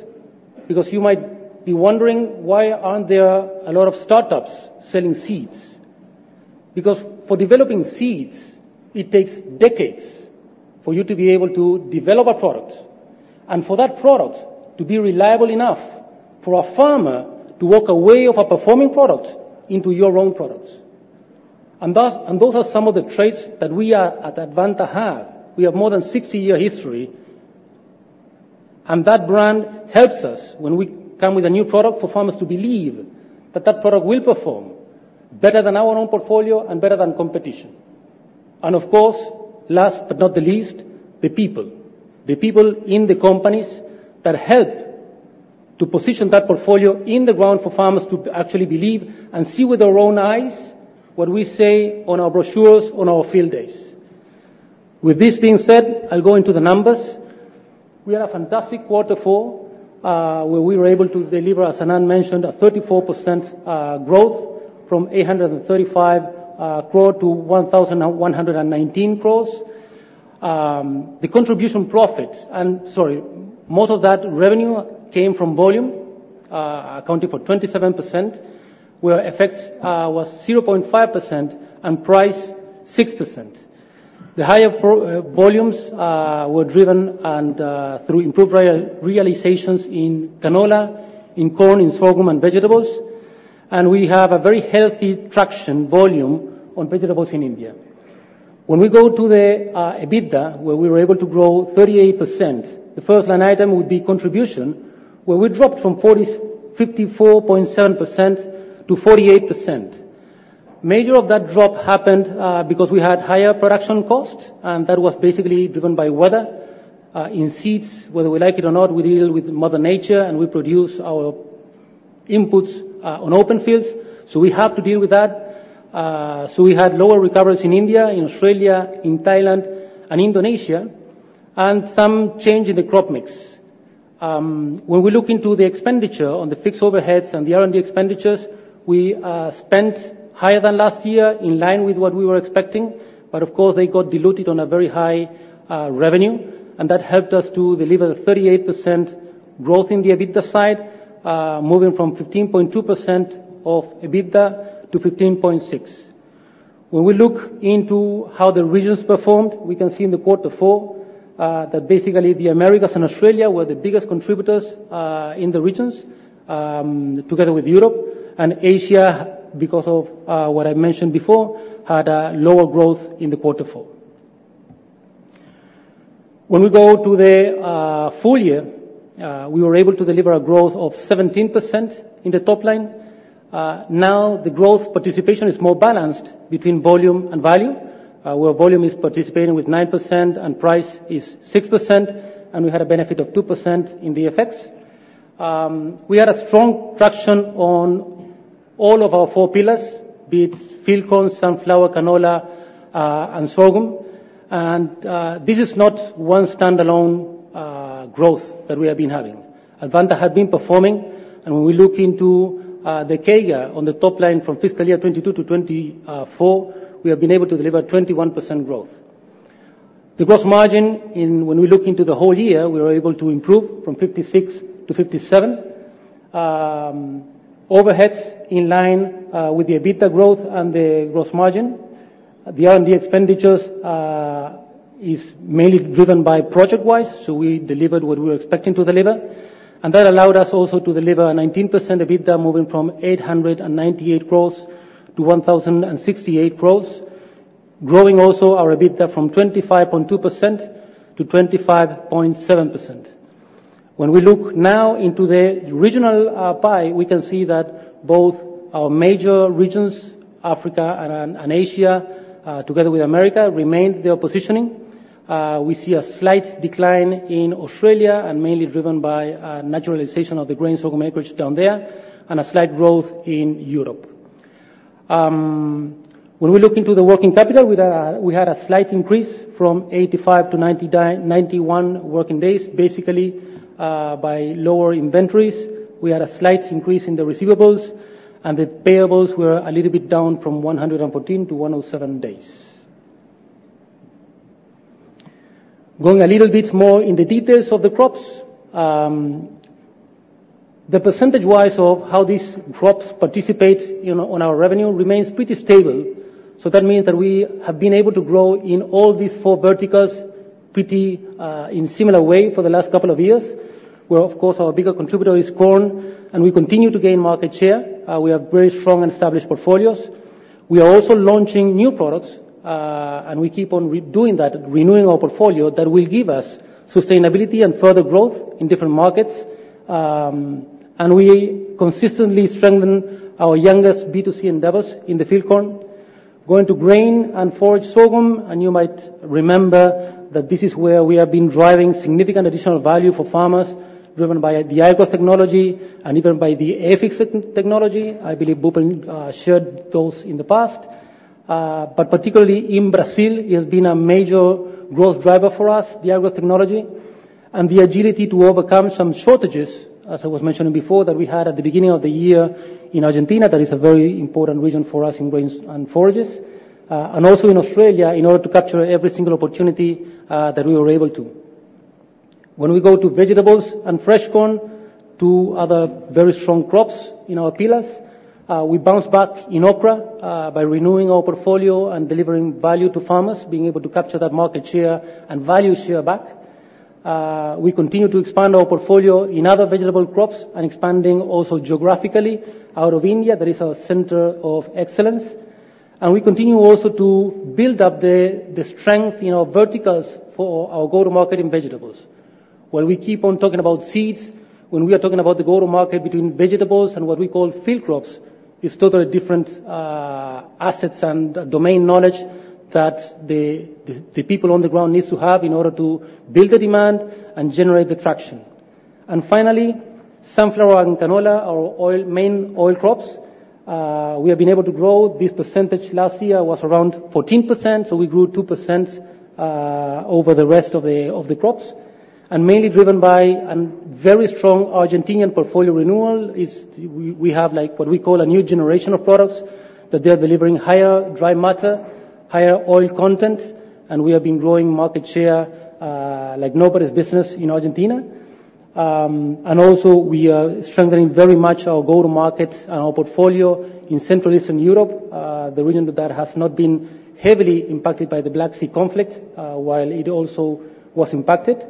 because you might be wondering, why aren't there a lot of startups selling seeds? Because for developing seeds, it takes decades for you to be able to develop a product and for that product to be reliable enough for a farmer to walk away from a performing product into your own products. And those are some of the traits that we at Advanta have. We have more than 60-year history, and that brand helps us when we come with a new product for farmers to believe that that product will perform better than our own portfolio and better than competition. And of course, last but not the least, the people. The people in the companies that help to position that portfolio in the ground for farmers to actually believe and see with their own eyes what we say on our brochures, on our field days. With this being said, I'll go into the numbers. We had a fantastic quarter four where we were able to deliver, as Anand mentioned, a 34% growth from 835 crore to 1,119 crore. The contribution profits, and sorry, most of that revenue came from volume, accounting for 27%, FX effects were 0.5% and price 6%. The higher volumes were driven through improved realizations in canola, in corn, in sorghum, and vegetables. And we have a very healthy traction volume on vegetables in India. When we go to the EBITDA, where we were able to grow 38%, the first line item would be contribution, where we dropped from 54.7% to 48%. Major of that drop happened because we had higher production costs, and that was basically driven by weather. In seeds, whether we like it or not, we deal with Mother Nature, and we produce our inputs on open fields. So we have to deal with that. So we had lower recoveries in India, in Australia, in Thailand, and Indonesia, and some change in the crop mix. When we look into the expenditure on the fixed overheads and the R&D expenditures, we spent higher than last year in line with what we were expecting, but of course, they got diluted on a very high revenue. And that helped us to deliver the 38% growth in the EBITDA side, moving from 15.2% of EBITDA to 15.6%. When we look into how the regions performed, we can see in the quarter four that basically the Americas and Australia were the biggest contributors in the regions together with Europe. And Asia, because of what I mentioned before, had a lower growth in the quarter four. When we go to the full year, we were able to deliver a growth of 17% in the top line. Now, the growth participation is more balanced between volume and value. Where volume is participating with 9% and price is 6%, and we had a benefit of 2% in the effects. We had a strong traction on all of our four pillars, be it field corn, sunflower, canola, and sorghum. This is not one standalone growth that we have been having. Advanta had been performing, and when we look into the CAGR on the top line from fiscal year 2022 to 2024, we have been able to deliver 21% growth. The gross margin, when we look into the whole year, we were able to improve from 56% to 57%. Overheads in line with the EBITDA growth and the gross margin. The R&D expenditures are mainly driven by project-wise, so we delivered what we were expecting to deliver. That allowed us also to deliver a 19% EBITDA, moving from 898 crores to 1,068 crores, growing also our EBITDA from 25.2%-25.7%. When we look now into the regional pie, we can see that both our major regions, Africa and Asia, together with America, remained their positioning. We see a slight decline in Australia, mainly driven by normalization of the grain sorghum acreage down there, and a slight growth in Europe. When we look into the working capital, we had a slight increase from 85-91 working days, basically by lower inventories. We had a slight increase in the receivables, and the payables were a little bit down from 114-107 days. Going a little bit more in the details of the crops, the percentage-wise of how these crops participate on our revenue remains pretty stable. So that means that we have been able to grow in all these four verticals pretty in a similar way for the last couple of years, where, of course, our biggest contributor is corn, and we continue to gain market share. We have very strong and established portfolios. We are also launching new products, and we keep on doing that, renewing our portfolio that will give us sustainability and further growth in different markets. And we consistently strengthen our youngest B2C endeavors in the field corn, going to grain and forage sorghum. And you might remember that this is where we have been driving significant additional value for farmers, driven by the agrotechnology and even by the Aphix technology. I believe Bhupen shared those in the past. But particularly in Brazil, it has been a major growth driver for us, the agrotechnology and the agility to overcome some shortages, as I was mentioning before, that we had at the beginning of the year in Argentina, that is a very important region for us in grains and forages. Also in Australia, in order to capture every single opportunity that we were able to. When we go to vegetables and fresh corn, two other very strong crops in our pillars, we bounce back in OpenAg by renewing our portfolio and delivering value to farmers, being able to capture that market share and value share back. We continue to expand our portfolio in other vegetable crops and expanding also geographically out of India, that is our center of excellence. We continue also to build up the strength in our verticals for our go-to-market in vegetables. While we keep on talking about seeds, when we are talking about the go-to-market between vegetables and what we call field crops, it's totally different assets and domain knowledge that the people on the ground need to have in order to build the demand and generate the traction. And finally, sunflower and canola, our main oil crops, we have been able to grow this percentage last year was around 14%, so we grew 2% over the rest of the crops. And mainly driven by a very strong Argentine portfolio renewal, we have what we call a new generation of products that they are delivering higher dry matter, higher oil content, and we have been growing market share like nobody's business in Argentina. And also, we are strengthening very much our go-to-market and our portfolio in Central Eastern Europe, the region that has not been heavily impacted by the Black Sea conflict while it also was impacted.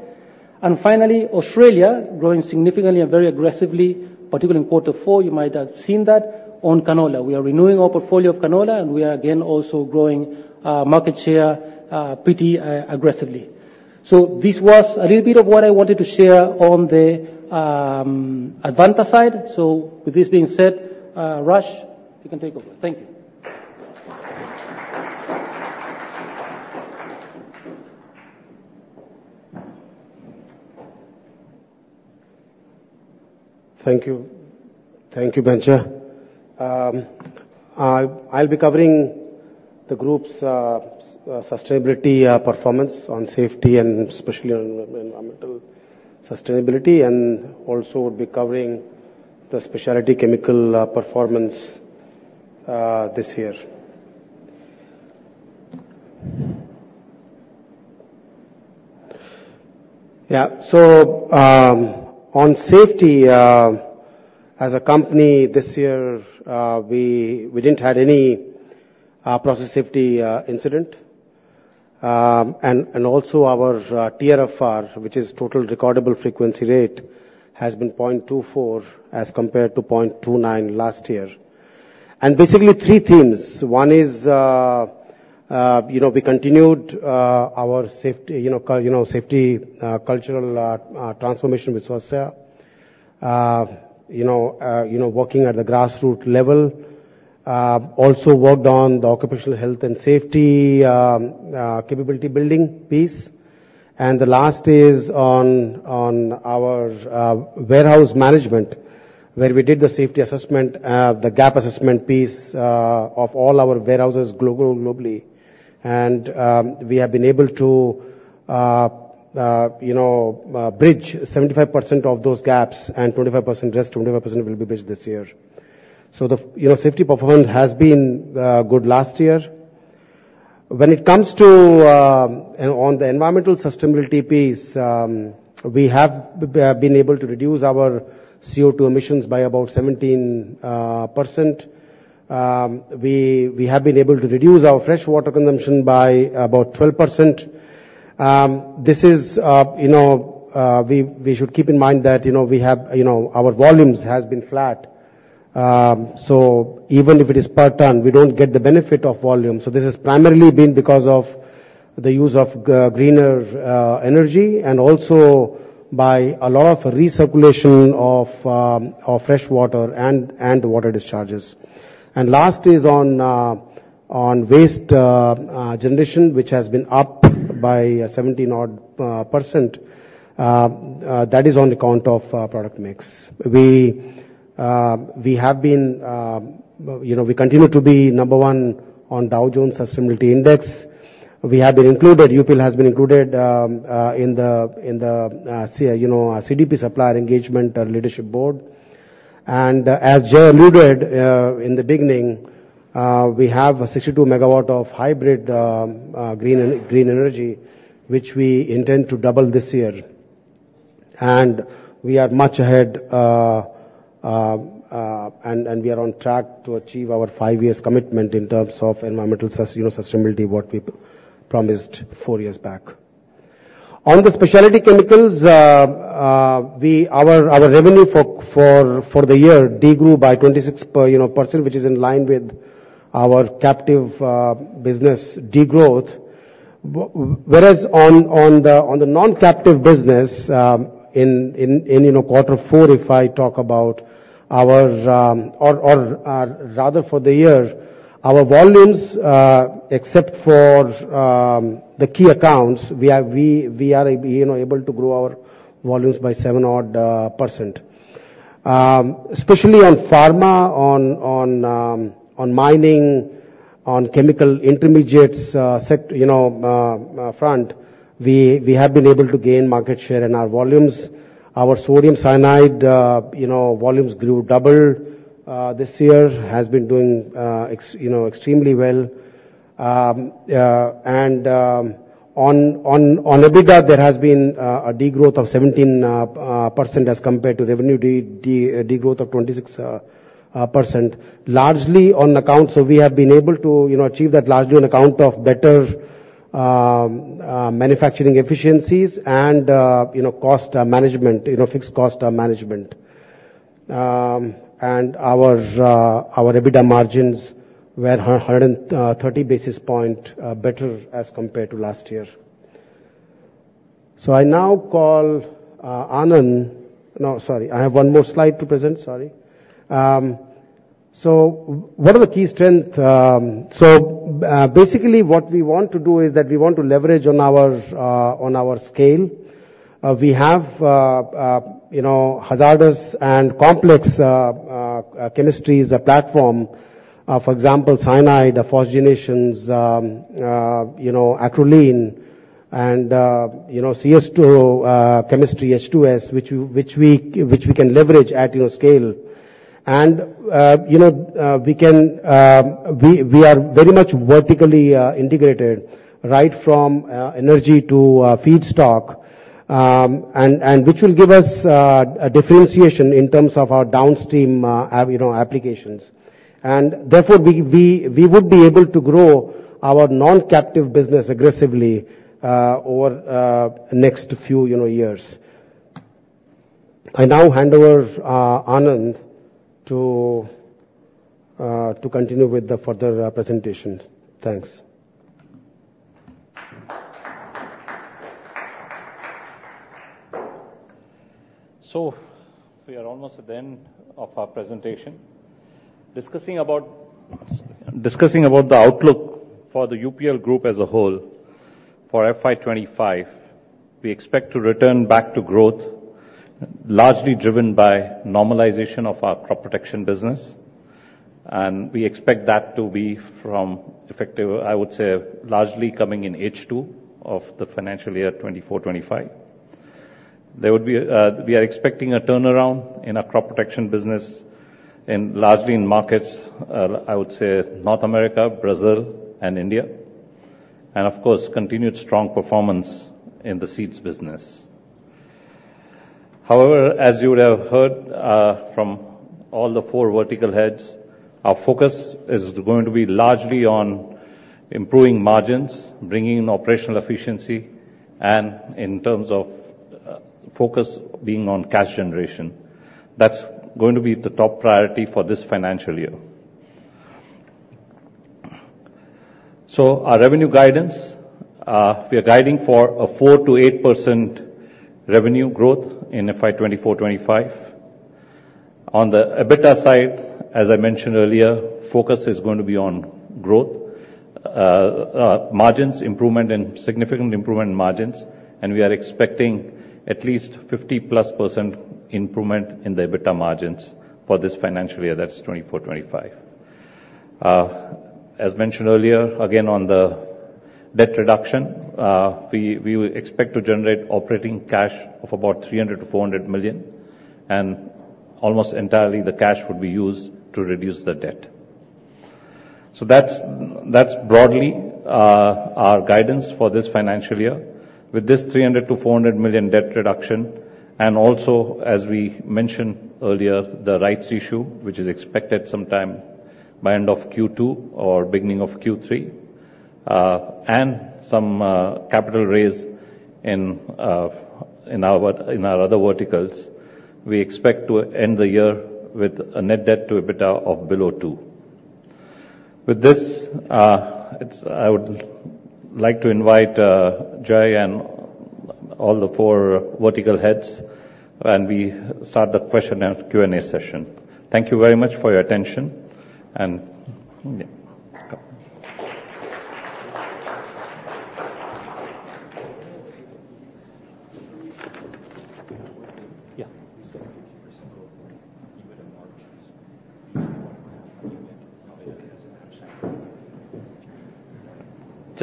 And finally, Australia growing significantly and very aggressively, particularly in quarter four, you might have seen that, on canola. We are renewing our portfolio of canola, and we are again also growing market share pretty aggressively. So this was a little bit of what I wanted to share on the Advanta side. So with this being said, Raj, you can take over. Thank you. Thank you. Thank you, Bhupen. I'll be covering the group's sustainability performance on safety and especially on environmental sustainability, and also would be covering the specialty chemical performance this year. Yeah. So on safety, as a company this year, we didn't have any process safety incident. Also, our TRFR, which is total recordable frequency rate, has been 0.24 as compared to 0.29 last year. Basically, three themes. One is we continued our safety cultural transformation, which was working at the grassroots level. Also worked on the occupational health and safety capability building piece. The last is on our warehouse management, where we did the safety assessment, the gap assessment piece of all our warehouses globally. We have been able to bridge 75% of those gaps and 25% rest. 25% will be bridged this year. The safety performance has been good last year. When it comes to the environmental sustainability piece, we have been able to reduce our CO2 emissions by about 17%. We have been able to reduce our freshwater consumption by about 12%. We should keep in mind that our volumes have been flat. So even if it is per ton, we don't get the benefit of volume. So this has primarily been because of the use of greener energy and also by a lot of recirculation of freshwater and water discharges. And last is on waste generation, which has been up by 17-odd%. That is on account of product mix. We continue to be number one on Dow Jones Sustainability Index. UPL has been included in the CDP Supplier Engagement Leadership Board. And as Jai alluded in the beginning, we have 62 MW of hybrid green energy, which we intend to double this year. And we are much ahead, and we are on track to achieve our five-year commitment in terms of environmental sustainability, what we promised four years back. On the specialty chemicals, our revenue for the year degrew by 26%, which is in line with our captive business degrowth. Whereas on the non-captive business, in quarter four, if I talk about our or rather for the year, our volumes, except for the key accounts, we are able to grow our volumes by 7-odd%. Especially on pharma, on mining, on chemical intermediates front, we have been able to gain market share in our volumes. Our sodium cyanide volumes grew double this year, has been doing extremely well. And on EBITDA, there has been a degrowth of 17% as compared to revenue degrowth of 26%, largely on account so we have been able to achieve that largely on account of better manufacturing efficiencies and cost management, fixed cost management. And our EBITDA margins were 130 basis points better as compared to last year. So I now call Anand, no, sorry. I have one more slide to present. Sorry. So what are the key strengths? So basically, what we want to do is that we want to leverage on our scale. We have hazardous and complex chemistries platform, for example, cyanide, phosgenations, acrolein, and CS2 chemistry, H2S, which we can leverage at scale. And we are very much vertically integrated, right from energy to feedstock, and which will give us a differentiation in terms of our downstream applications. And therefore, we would be able to grow our non-captive business aggressively over the next few years. I now hand over Anand to continue with the further presentation. Thanks. So we are almost at the end of our presentation. Discussing about the outlook for the UPL group as a whole for FY25, we expect to return back to growth, largely driven by normalization of our crop protection business. And we expect that to be from effective, I would say, largely coming in H2 of the financial year 2024/2025. We are expecting a turnaround in our crop protection business, largely in markets, I would say, North America, Brazil, and India. And of course, continued strong performance in the seeds business. However, as you would have heard from all the four vertical heads, our focus is going to be largely on improving margins, bringing in operational efficiency, and in terms of focus being on cash generation. That's going to be the top priority for this financial year. So our revenue guidance, we are guiding for 4%-8% revenue growth in FY2024/2025. On the EBITDA side, as I mentioned earlier, focus is going to be on growth, margins, significant improvement in margins. We are expecting at least 50%+ improvement in the EBITDA margins for this financial year, that is 2024/2025. As mentioned earlier, again, on the debt reduction, we expect to generate operating cash of about $300 million-$400 million. Almost entirely, the cash would be used to reduce the debt. So that's broadly our guidance for this financial year. With this 300 million-400 million debt reduction, and also, as we mentioned earlier, the rights issue, which is expected sometime by the end of Q2 or beginning of Q3, and some capital raise in our other verticals, we expect to end the year with a net debt to EBITDA of below 2. With this, I would like to invite Jai and all the 4 vertical heads and we start the question and Q&A session. Thank you very much for your attention. And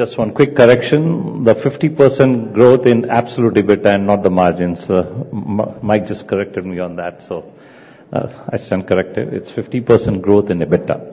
yeah. Yeah. So 50% growth in EBITDA margins, how do you think how it has an impact on? Just one quick correction. The 50% growth in absolute EBITDA and not the margins. Mike just corrected me on that, so I stand corrected. It's 50% growth in EBITDA.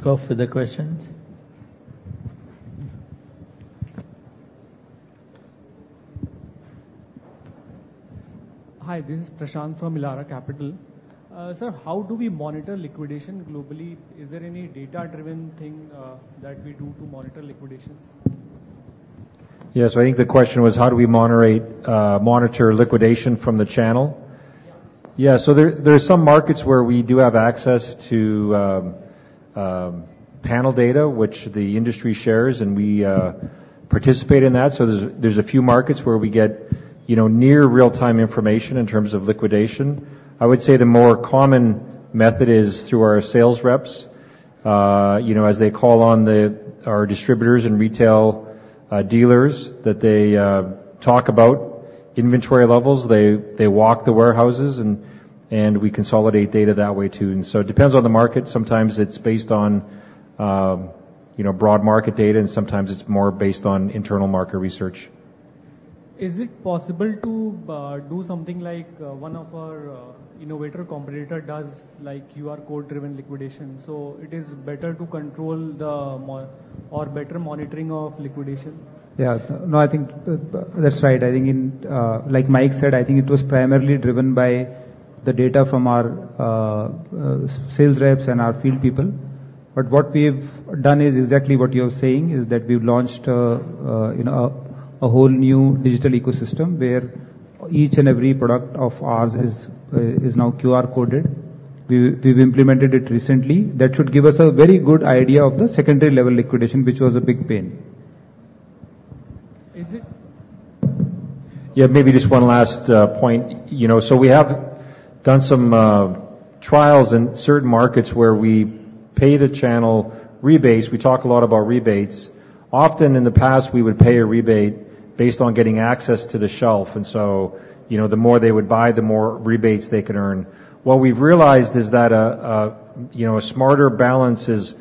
Are you going to moderate? We can kick off with the questions. Hi. This is Prashant from Elara Capital. Sir, how do we monitor liquidation globally? Is there any data-driven thing that we do to monitor liquidations? Yes. So I think the question was how do we monitor liquidation from the channel. Yeah. Yeah. So there are some markets where we do have access to panel data, which the industry shares, and we participate in that. So there's a few markets where we get near real-time information in terms of liquidation. I would say the more common method is through our sales reps, as they call on our distributors and retail dealers that they talk about inventory levels. They walk the warehouses, and we consolidate data that way too. And so it depends on the market. Sometimes it's based on broad market data, and sometimes it's more based on internal market research. Is it possible to do something like one of our innovator competitors does, like QR code-driven liquidation? So it is better to control the or better monitoring of liquidation? Yeah. No, I think that's right. I think, like Mike said, I think it was primarily driven by the data from our sales reps and our field people. But what we've done is exactly what you're saying, is that we've launched a whole new digital ecosystem where each and every product of ours is now QR coded. We've implemented it recently. That should give us a very good idea of the secondary-level liquidation, which was a big pain. Is it? Yeah. Maybe just one last point. So we have done some trials in certain markets where we pay the channel rebates. We talk a lot about rebates. Often in the past, we would pay a rebate based on getting access to the shelf. And so the more they would buy, the more rebates they could earn. What we've realized is that a smarter balance is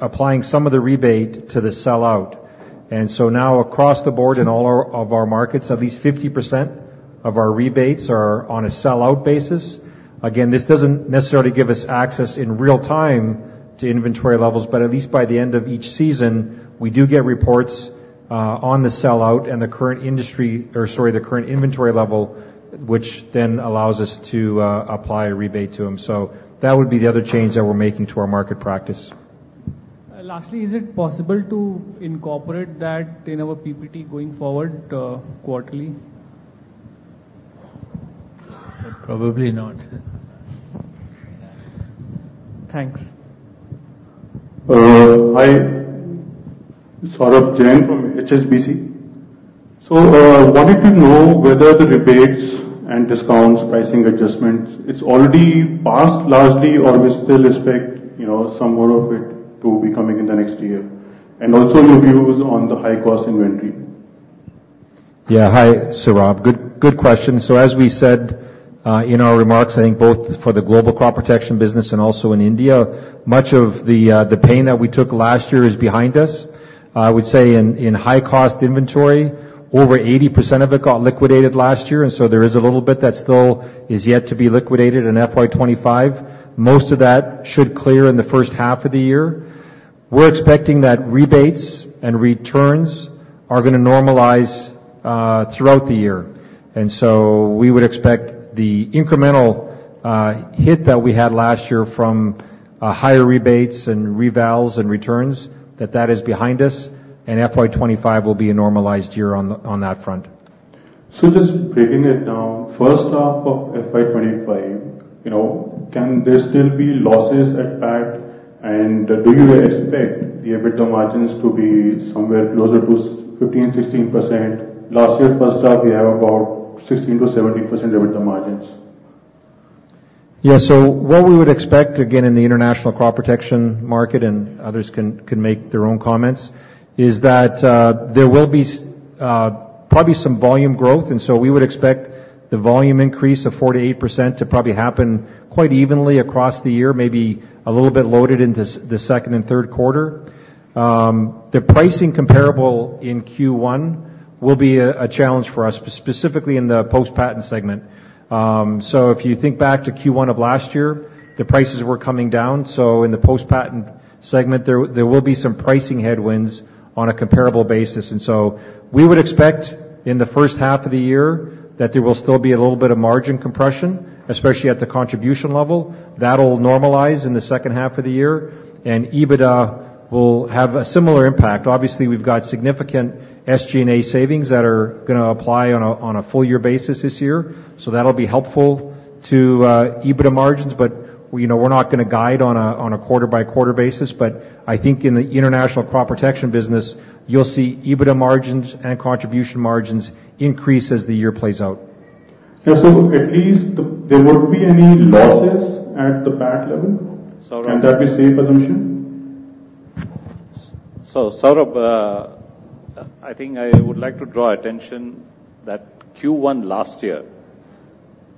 applying some of the rebate to the sell-out. And so now across the board in all of our markets, at least 50% of our rebates are on a sell-out basis. Again, this doesn't necessarily give us access in real-time to inventory levels, but at least by the end of each season, we do get reports on the sell-out and the current industry or sorry, the current inventory level, which then allows us to apply a rebate to them. That would be the other change that we're making to our market practice. Lastly, is it possible to incorporate that in our PPT going forward quarterly? Probably not. Thanks. Hi. It's Saurabh Jain from HSBC. So I wanted to know whether the rebates and discounts, pricing adjustments, it's already passed largely, or we still expect some more of it to be coming in the next year? And also your views on the high-cost inventory. Yeah. Hi, Saurabh. Good question. So as we said in our remarks, I think both for the global crop protection business and also in India, much of the pain that we took last year is behind us. I would say in high-cost inventory, over 80% of it got liquidated last year. And so there is a little bit that still is yet to be liquidated in FY25. Most of that should clear in the first half of the year. We're expecting that rebates and returns are going to normalize throughout the year. And so we would expect the incremental hit that we had last year from higher rebates and revals and returns, that that is behind us. And FY25 will be a normalized year on that front. Just breaking it down, first half of FY25, can there still be losses at PAT? And do you expect the EBITDA margins to be somewhere closer to 15%-16%? Last year, first half, we have about 16%-17% EBITDA margins. Yeah. So what we would expect, again, in the international crop protection market, and others can make their own comments, is that there will be probably some volume growth. And so we would expect the volume increase of 4%-8% to probably happen quite evenly across the year, maybe a little bit loaded into the second and third quarter. The pricing comparable in Q1 will be a challenge for us, specifically in the post-patent segment. So if you think back to Q1 of last year, the prices were coming down. So in the post-patent segment, there will be some pricing headwinds on a comparable basis. And so we would expect in the first half of the year that there will still be a little bit of margin compression, especially at the contribution level. That'll normalize in the second half of the year. EBITDA will have a similar impact. Obviously, we've got significant SG&A savings that are going to apply on a full-year basis this year. So that'll be helpful to EBITDA margins. But we're not going to guide on a quarter-by-quarter basis. But I think in the international crop protection business, you'll see EBITDA margins and contribution margins increase as the year plays out. Yeah. So at least there would be any losses at the PAT level? Can that be a safe assumption? So Sarab, I think I would like to draw attention that Q1 last year,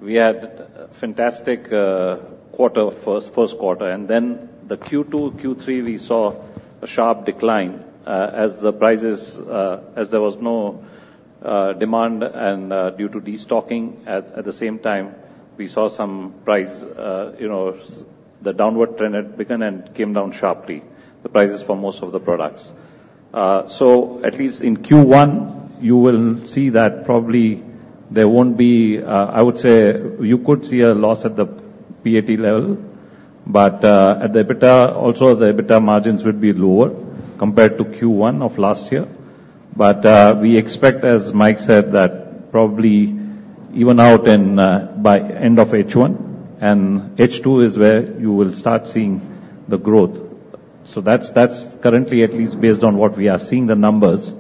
we had a fantastic first quarter. And then the Q2, Q3, we saw a sharp decline as there was no demand. And due to destocking, at the same time, we saw some price the downward trend had begun and came down sharply, the prices for most of the products. So at least in Q1, you will see that probably there won't be I would say you could see a loss at the PAT level. But also, the EBITDA margins would be lower compared to Q1 of last year. But we expect, as Mike said, that probably even out by the end of H1. And H2 is where you will start seeing the growth. So that's currently at least based on what we are seeing, the numbers.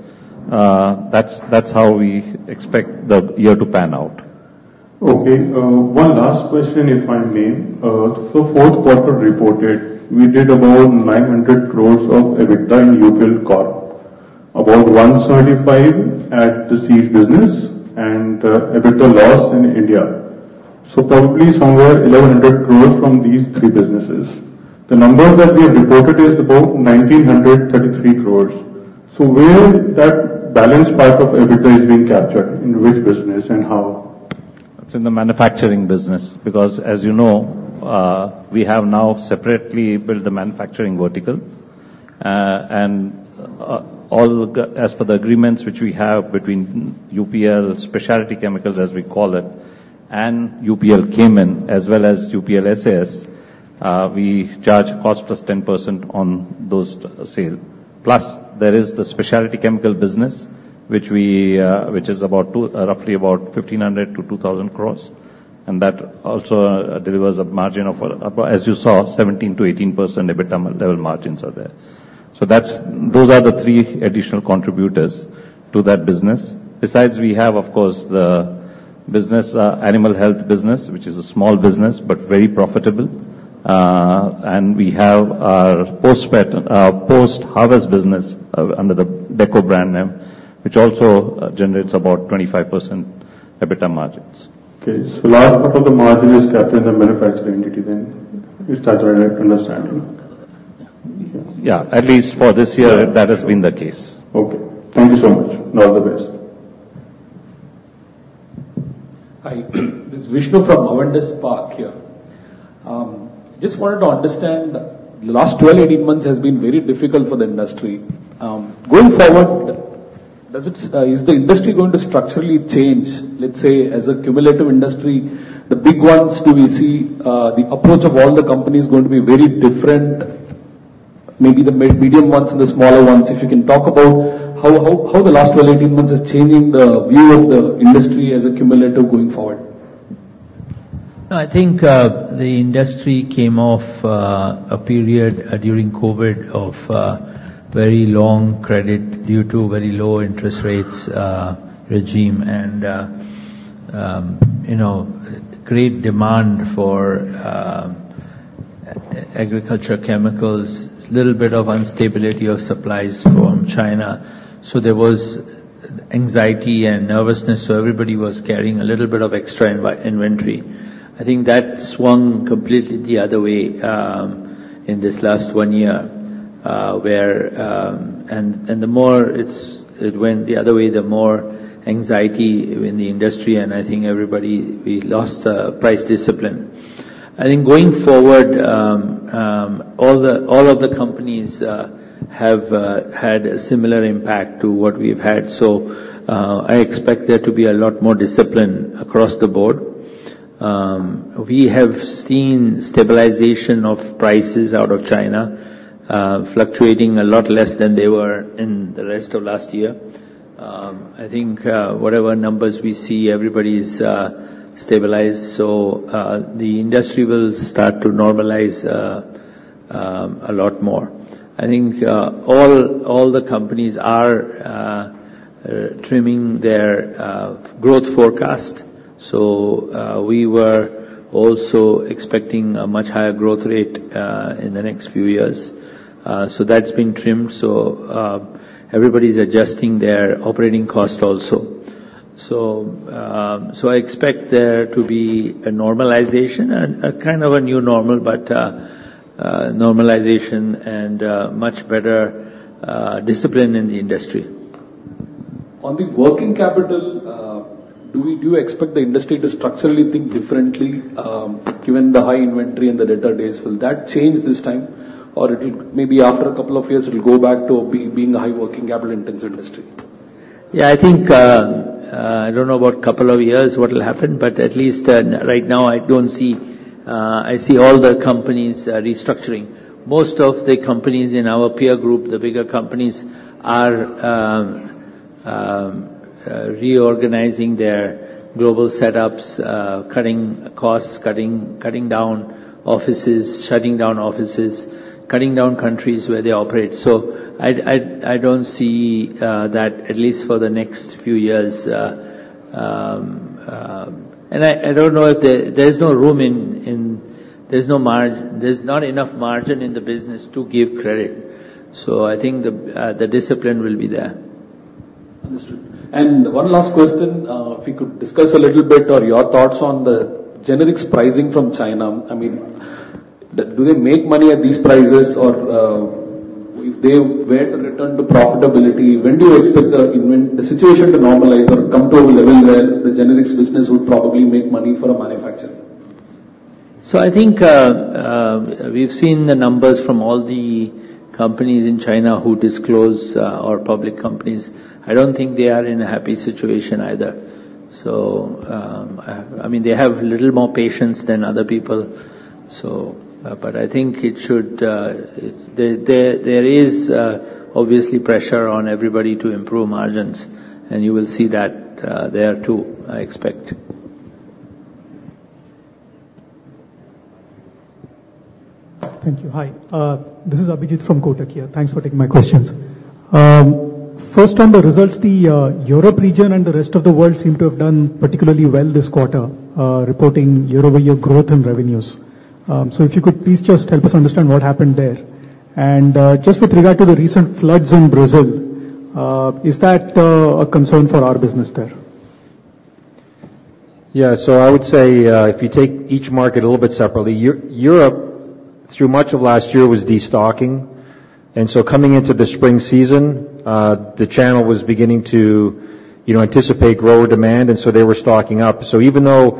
That's how we expect the year to pan out. Okay. One last question, if I may. So fourth quarter reported, we did about 900 crore of EBITDA in UPL Corp, about 175 crore at the seeds business, and EBITDA loss in India. So probably somewhere 1,100 crore from these three businesses. The number that we have reported is about 1,933 crore. So where that balanced part of EBITDA is being captured, in which business and how? That's in the manufacturing business. Because as you know, we have now separately built the manufacturing vertical. As per the agreements which we have between UPL, specialty chemicals as we call it, and UPL Cayman, as well as UPL SAS, we charge a cost plus 10% on those sales. Plus, there is the specialty chemical business, which is roughly about 1,500-2,000 crores. And that also delivers a margin of, as you saw, 17%-18% EBITDA level margins are there. So those are the three additional contributors to that business. Besides, we have, of course, the animal health business, which is a small business but very profitable. And we have our post-harvest business under the DECCO brand name, which also generates about 25% EBITDA margins. Okay. So last part of the margin is captured in the manufacturing entity then? If that's what I understand. Yeah. At least for this year, that has been the case. Okay. Thank you so much. All the best. Hi. This is Vishnu from Avendus Spark here. Just wanted to understand, the last 12-18 months has been very difficult for the industry. Going forward, is the industry going to structurally change? Let's say, as a cumulative industry, the big ones, do we see the approach of all the companies going to be very different, maybe the medium ones and the smaller ones? If you can talk about how the last 12-18 months is changing the view of the industry as a cumulative going forward. No, I think the industry came off a period during COVID of very long credit due to very low interest rates regime and great demand for agricultural chemicals, a little bit of instability of supplies from China. So there was anxiety and nervousness. So everybody was carrying a little bit of extra inventory. I think that swung completely the other way in this last one year. And the more it went the other way, the more anxiety in the industry. And I think we lost price discipline. I think going forward, all of the companies have had a similar impact to what we've had. So I expect there to be a lot more discipline across the board. We have seen stabilization of prices out of China, fluctuating a lot less than they were in the rest of last year. I think whatever numbers we see, everybody's stabilized. So the industry will start to normalize a lot more. I think all the companies are trimming their growth forecast. So we were also expecting a much higher growth rate in the next few years. So that's been trimmed. So everybody's adjusting their operating cost also. So I expect there to be a normalization and kind of a new normal, but normalization and much better discipline in the industry. On the working capital, do you expect the industry to structurally think differently given the high inventory and the data days? Will that change this time? Or maybe after a couple of years, it'll go back to being a high working capital intense industry? Yeah. I think I don't know about a couple of years what'll happen. But at least right now, I see all the companies restructuring. Most of the companies in our peer group, the bigger companies, are reorganizing their global setups, cutting costs, cutting down offices, shutting down offices, cutting down countries where they operate. So I don't see that at least for the next few years. And I don't know if there's not enough margin in the business to give credit. So I think the discipline will be there. Understood. One last question. If we could discuss a little bit or your thoughts on the generics pricing from China. I mean, do they make money at these prices? Or if they were to return to profitability, when do you expect the situation to normalize or come to a level where the generics business would probably make money for a manufacturer? So, I think we've seen the numbers from all the companies in China who disclose or public companies. I don't think they are in a happy situation either. So, I mean, they have a little more patience than other people. But I think it should. There is obviously pressure on everybody to improve margins. And you will see that there too, I expect. Thank you. Hi. This is Abhijit from Kotak here. Thanks for taking my questions. First, on the results, the Europe region and the rest of the world seem to have done particularly well this quarter, reporting year-over-year growth in revenues. So if you could please just help us understand what happened there. And just with regard to the recent floods in Brazil, is that a concern for our business there? Yeah. So I would say if you take each market a little bit separately, Europe, through much of last year, was destocking. And so coming into the spring season, the channel was beginning to anticipate grower demand. And so they were stocking up. So even though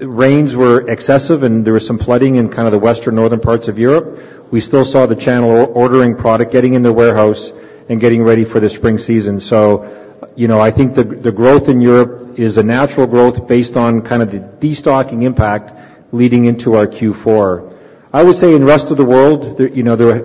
rains were excessive and there was some flooding in kind of the western, northern parts of Europe, we still saw the channel ordering product, getting in their warehouse, and getting ready for the spring season. So I think the growth in Europe is a natural growth based on kind of the destocking impact leading into our Q4. I would say in the rest of the world, there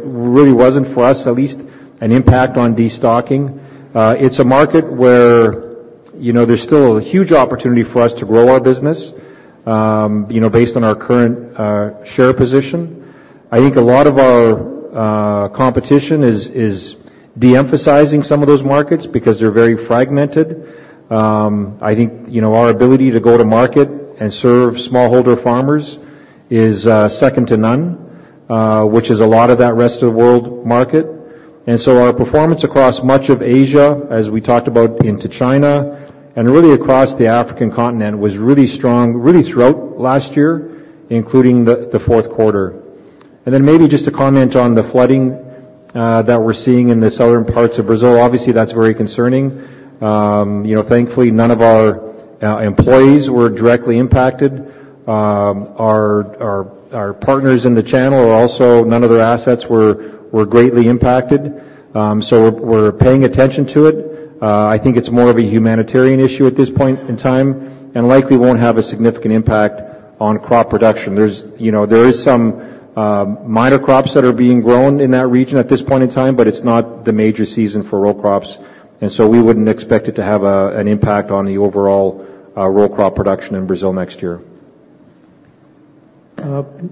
really wasn't, for us at least, an impact on destocking. It's a market where there's still a huge opportunity for us to grow our business based on our current share position. I think a lot of our competition is de-emphasizing some of those markets because they're very fragmented. I think our ability to go to market and serve smallholder farmers is second to none, which is a lot of that rest of the world market. So our performance across much of Asia, as we talked about, into China, and really across the African continent, was really strong, really throughout last year, including the fourth quarter. Then maybe just to comment on the flooding that we're seeing in the southern parts of Brazil, obviously, that's very concerning. Thankfully, none of our employees were directly impacted. Our partners in the channel are also. None of their assets were greatly impacted. So we're paying attention to it. I think it's more of a humanitarian issue at this point in time and likely won't have a significant impact on crop production. There are some minor crops that are being grown in that region at this point in time, but it's not the major season for row crops. We wouldn't expect it to have an impact on the overall row crop production in Brazil next year.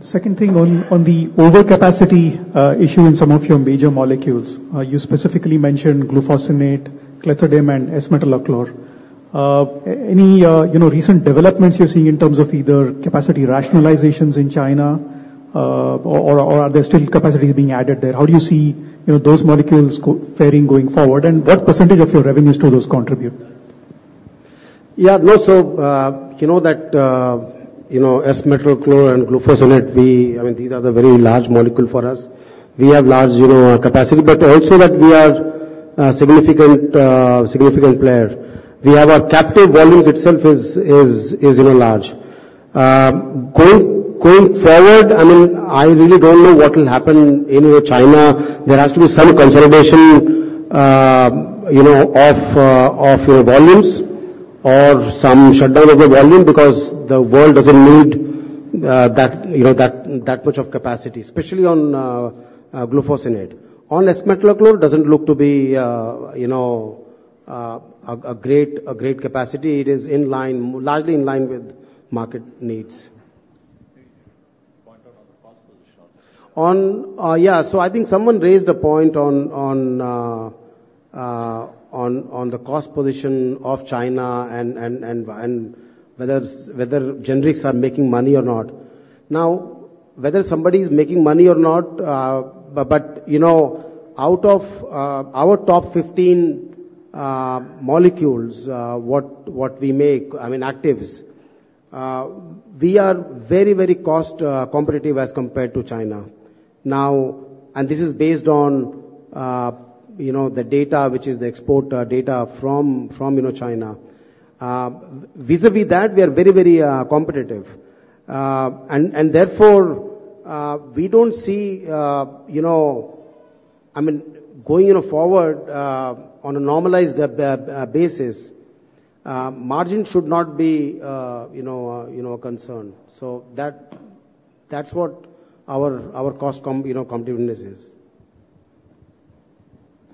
Second thing, on the overcapacity issue in some of your major molecules, you specifically mentioned glufosinate, clethodim, and S-metolachlor. Any recent developments you're seeing in terms of either capacity rationalizations in China, or are there still capacities being added there? How do you see those molecules faring going forward? And what percentage of your revenues do those contribute? Yeah. No. So you know that S-metolachlor and glufosinate, I mean, these are the very large molecules for us. We have large capacity. But also that we are a significant player. We have our captive volumes itself is large. Going forward, I mean, I really don't know what'll happen in China. There has to be some consolidation of volumes or some shutdown of the volume because the world doesn't need that much of capacity, especially on glufosinate. On S-metolachlor, it doesn't look to be a great capacity. It is largely in line with market needs. Can you point out on the cost position? Yeah. So I think someone raised a point on the cost position of China and whether generics are making money or not. Now, whether somebody's making money or not, but out of our top 15 molecules, what we make, I mean, actives, we are very, very cost competitive as compared to China. And this is based on the data, which is the export data from China. Vis-à-vis that, we are very, very competitive. And therefore, we don't see I mean, going forward on a normalized basis, margin should not be a concern. So that's what our cost competitiveness is.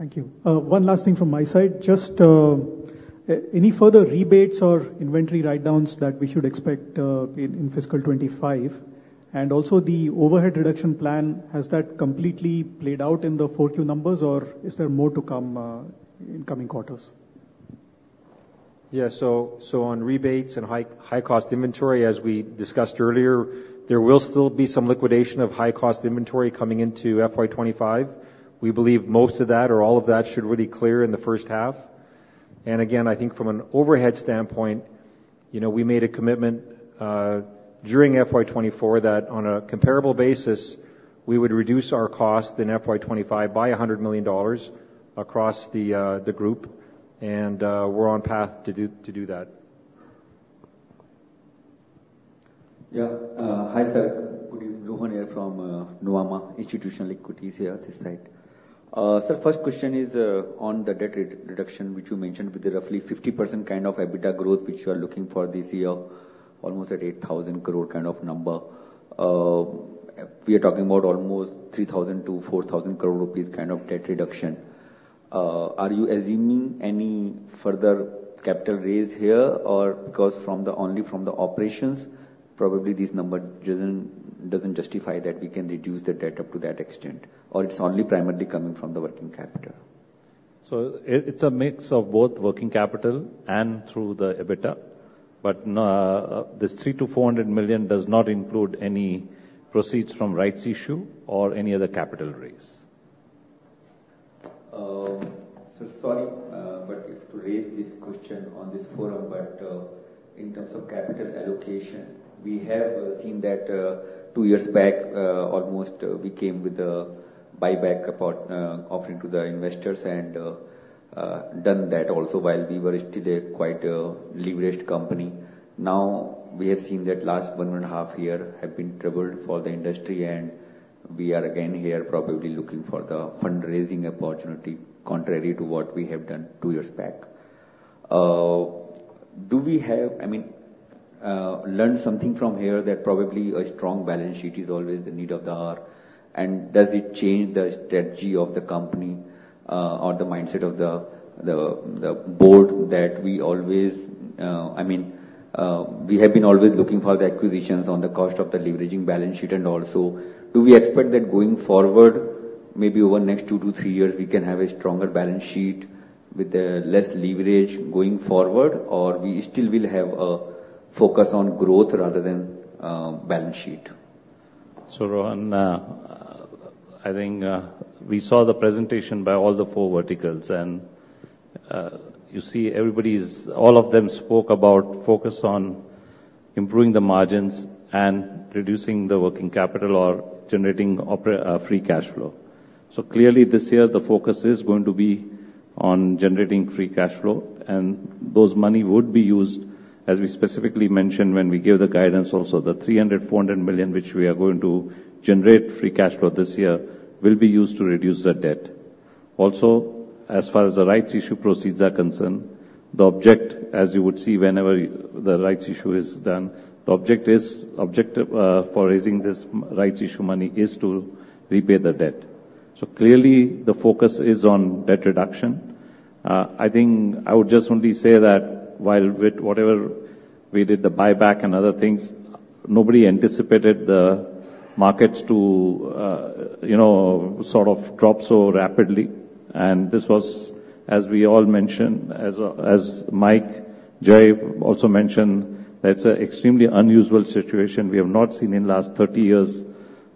Thank you. One last thing from my side. Just any further rebates or inventory write-downs that we should expect in fiscal 2025? And also, the overhead reduction plan, has that completely played out in the 4Q numbers, or is there more to come in coming quarters? Yeah. So on rebates and high-cost inventory, as we discussed earlier, there will still be some liquidation of high-cost inventory coming into FY 2025. We believe most of that or all of that should really clear in the first half. And again, I think from an overhead standpoint, we made a commitment during FY 2024 that on a comparable basis, we would reduce our cost in FY 2025 by $100 million across the group. And we're on path to do that. Yeah. Hi, sir. Good evening. Rohan here from Nuvama Institutional Equities here, this side. Sir, first question is on the debt reduction, which you mentioned with the roughly 50% kind of EBITDA growth which you are looking for this year, almost at 8,000 crore kind of number. We are talking about almost 3,000 crore-4,000 crore rupees kind of debt reduction. Are you assuming any further capital raise here? Or because only from the operations, probably this number doesn't justify that we can reduce the debt up to that extent? Or it's only primarily coming from the working capital? It's a mix of both working capital and through the EBITDA. But this $300 million-$400 million does not include any proceeds from Rights Issue or any other capital raise. Sir, sorry to raise this question on this forum, but in terms of capital allocation, we have seen that two years back, almost, we came with a buyback offering to the investors and done that also while we were still a quite leveraged company. Now, we have seen that last 1.5 years have been troubled for the industry. We are again here probably looking for the fundraising opportunity, contrary to what we have done two years back. Do we have, I mean, learned something from here that probably a strong balance sheet is always the need of the hour? And does it change the strategy of the company or the mindset of the board that we always I mean, we have been always looking for the acquisitions on the cost of the leveraging balance sheet? And also, do we expect that going forward, maybe over the next 2-3 years, we can have a stronger balance sheet with less leverage going forward? Or we still will have a focus on growth rather than balance sheet? So, Rohan, I think we saw the presentation by all the four verticals. And you see everybody's all of them spoke about focus on improving the margins and reducing the working capital or generating free cash flow. So clearly, this year, the focus is going to be on generating free cash flow. And those money would be used, as we specifically mentioned when we gave the guidance also, the $300 million-$400 million, which we are going to generate free cash flow this year, will be used to reduce the debt. Also, as far as the rights issue proceeds are concerned, the object, as you would see whenever the rights issue is done, the objective for raising this rights issue money is to repay the debt. So clearly, the focus is on debt reduction. I think I would just only say that while with whatever we did, the buyback and other things, nobody anticipated the markets to sort of drop so rapidly. This was, as we all mentioned, as Mike, Jai also mentioned, that it's an extremely unusual situation. We have not seen in the last 30 years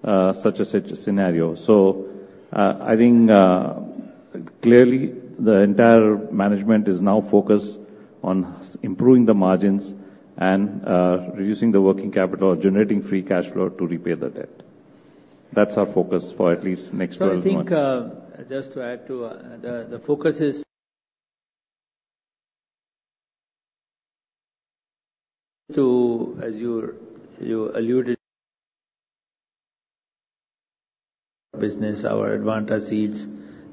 such a scenario. I think clearly, the entire management is now focused on improving the margins and reducing the working capital or generating free cash flow to repay the debt. That's our focus for at least next 12 months. So I think just to add to the focus is to, as you alluded, business, our Advanta seeds,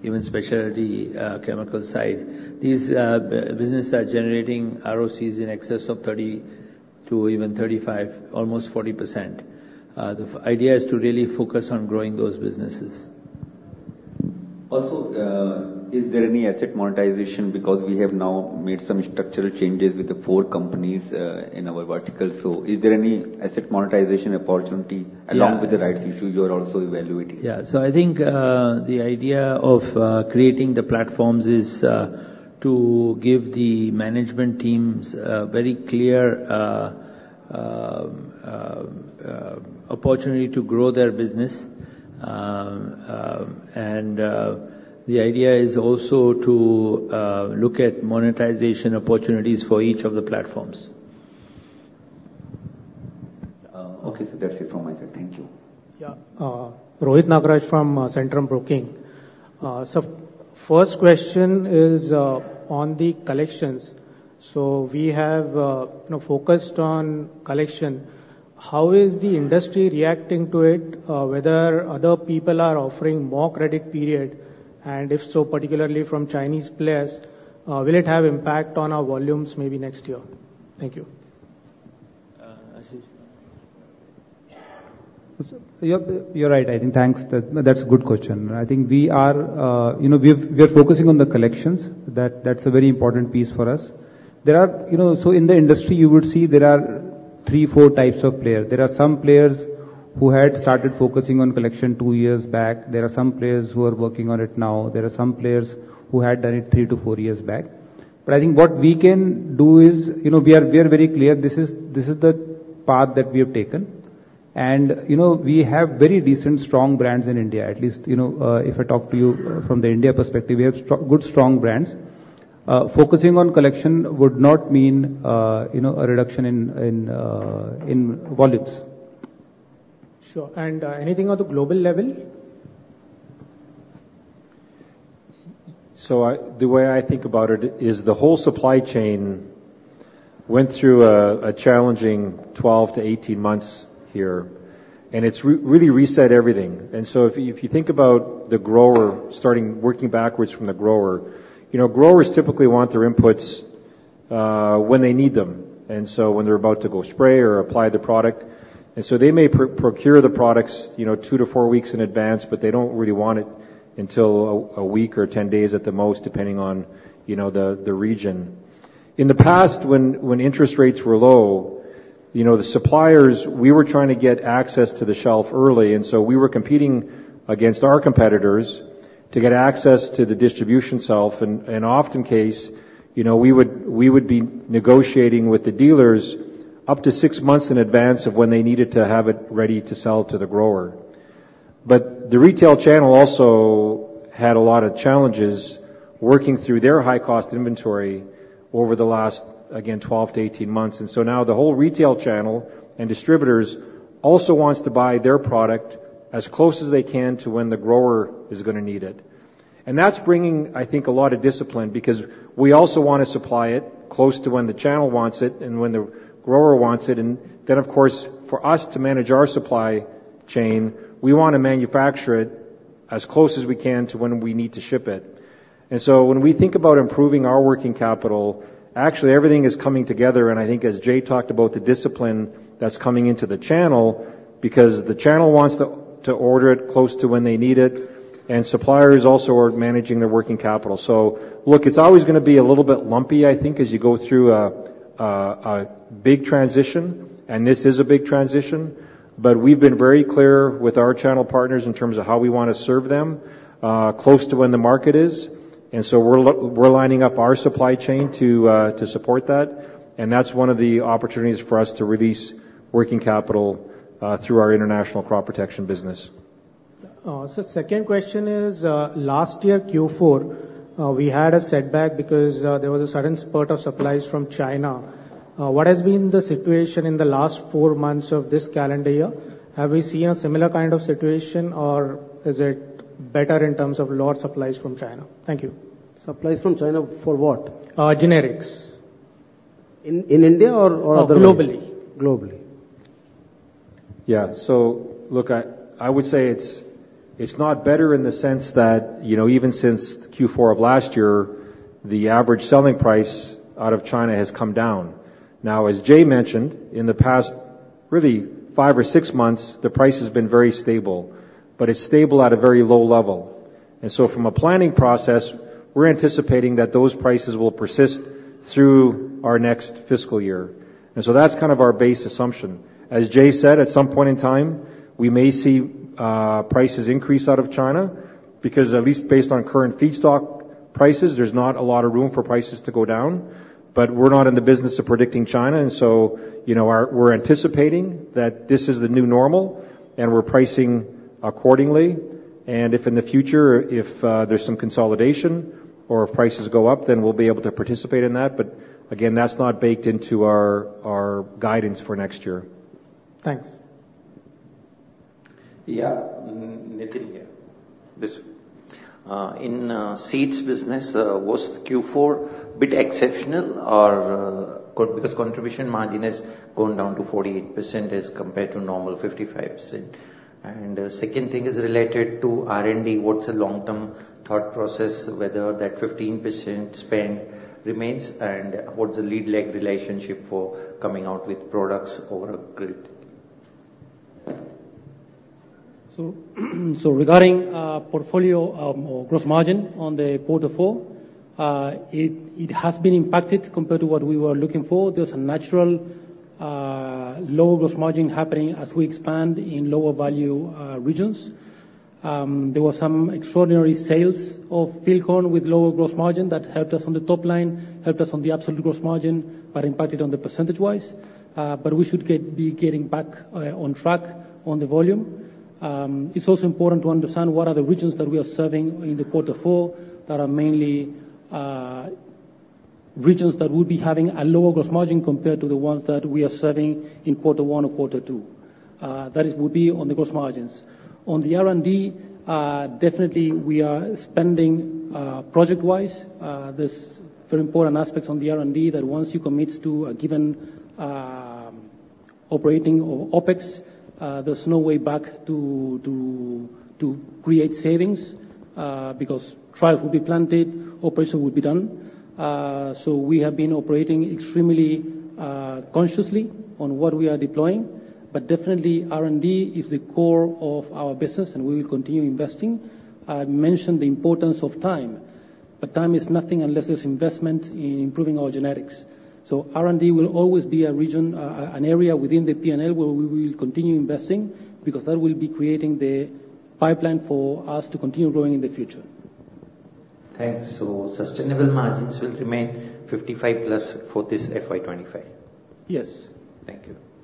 even specialty chemical side, these businesses are generating ROCs in excess of 30 to even 35, almost 40%. The idea is to really focus on growing those businesses. Also, is there any asset monetization because we have now made some structural changes with the four companies in our vertical? So is there any asset monetization opportunity along with the rights issue you are also evaluating? Yeah. I think the idea of creating the platforms is to give the management teams a very clear opportunity to grow their business. The idea is also to look at monetization opportunities for each of the platforms. Okay. So that's it from my side. Thank you. Yeah. Rohit Nagaraj from Centrum Broking. Sir, first question is on the collections. So we have focused on collection. How is the industry reacting to it, whether other people are offering more credit period? And if so, particularly from Chinese players, will it have impact on our volumes maybe next year? Thank you. Ashish. Sir, you're right. I think thanks. That's a good question. I think we are focusing on the collections. That's a very important piece for us. So in the industry, you would see there are three, four types of players. There are some players who had started focusing on collection two years back. There are some players who are working on it now. There are some players who had done it three to four years back. But I think what we can do is we are very clear. This is the path that we have taken. And we have very decent, strong brands in India, at least if I talk to you from the India perspective. We have good, strong brands. Focusing on collection would not mean a reduction in volumes. Sure. Anything on the global level? So the way I think about it is the whole supply chain went through a challenging 12-18 months here. And it's really reset everything. And so if you think about the grower starting working backwards from the grower, growers typically want their inputs when they need them, and so when they're about to go spray or apply the product. And so they may procure the products 2-4 weeks in advance, but they don't really want it until a week or 10 days at the most, depending on the region. In the past, when interest rates were low, the suppliers, we were trying to get access to the shelf early. And so we were competing against our competitors to get access to the distribution shelf. And oftentimes, we would be negotiating with the dealers up to six months in advance of when they needed to have it ready to sell to the grower. But the retail channel also had a lot of challenges working through their high-cost inventory over the last, again, 12-18 months. And so now the whole retail channel and distributors also want to buy their product as close as they can to when the grower is going to need it. And that's bringing, I think, a lot of discipline because we also want to supply it close to when the channel wants it and when the grower wants it. And then, of course, for us to manage our supply chain, we want to manufacture it as close as we can to when we need to ship it. When we think about improving our working capital, actually, everything is coming together. I think, as Jai talked about, the discipline that's coming into the channel because the channel wants to order it close to when they need it. Suppliers also are managing their working capital. Look, it's always going to be a little bit lumpy, I think, as you go through a big transition. This is a big transition. We've been very clear with our channel partners in terms of how we want to serve them close to when the market is. We're lining up our supply chain to support that. That's one of the opportunities for us to release working capital through our international crop protection business. Sir, second question is last year, Q4, we had a setback because there was a sudden spurt of supplies from China. What has been the situation in the last four months of this calendar year? Have we seen a similar kind of situation, or is it better in terms of lot supplies from China? Thank you. Supplies from China for what? Generics. In India or otherwise? Globally. Globally. Yeah. So look, I would say it's not better in the sense that even since Q4 of last year, the average selling price out of China has come down. Now, as Jai mentioned, in the past really five or six months, the price has been very stable. But it's stable at a very low level. And so from a planning process, we're anticipating that those prices will persist through our next fiscal year. And so that's kind of our base assumption. As Jai said, at some point in time, we may see prices increase out of China because, at least based on current feedstock prices, there's not a lot of room for prices to go down. But we're not in the business of predicting China. And so we're anticipating that this is the new normal. And we're pricing accordingly. If in the future, if there's some consolidation or if prices go up, then we'll be able to participate in that. But again, that's not baked into our guidance for next year. Thanks. Yeah. Nitin here. In seeds business, was Q4 a bit exceptional because contribution margin has gone down to 48% as compared to normal 55%? The second thing is related to R&D. What's the long-term thought process, whether that 15% spend remains, and what's the lead-lag relationship for coming out with products over a grid? So regarding portfolio or gross margin on the quarter four, it has been impacted compared to what we were looking for. There's a natural lower gross margin happening as we expand in lower-value regions. There were some extraordinary sales of field corn with lower gross margin that helped us on the top line, helped us on the absolute gross margin, but impacted on the percentage-wise. But we should be getting back on track on the volume. It's also important to understand what are the regions that we are serving in the quarter four that are mainly regions that would be having a lower gross margin compared to the ones that we are serving in quarter one or quarter two. That would be on the gross margins. On the R&D, definitely, we are spending project-wise. are very important aspects on the R&D that once you commit to a given operating or OpEx, there's no way back to create savings because trials will be planted, operation will be done. So we have been operating extremely consciously on what we are deploying. But definitely, R&D is the core of our business. We will continue investing. I mentioned the importance of time. But time is nothing unless there's investment in improving our genetics. So R&D will always be an area within the P&L where we will continue investing because that will be creating the pipeline for us to continue growing in the future. Thanks. So sustainable margins will remain 55%+ for this FY25? Yes. Thank you.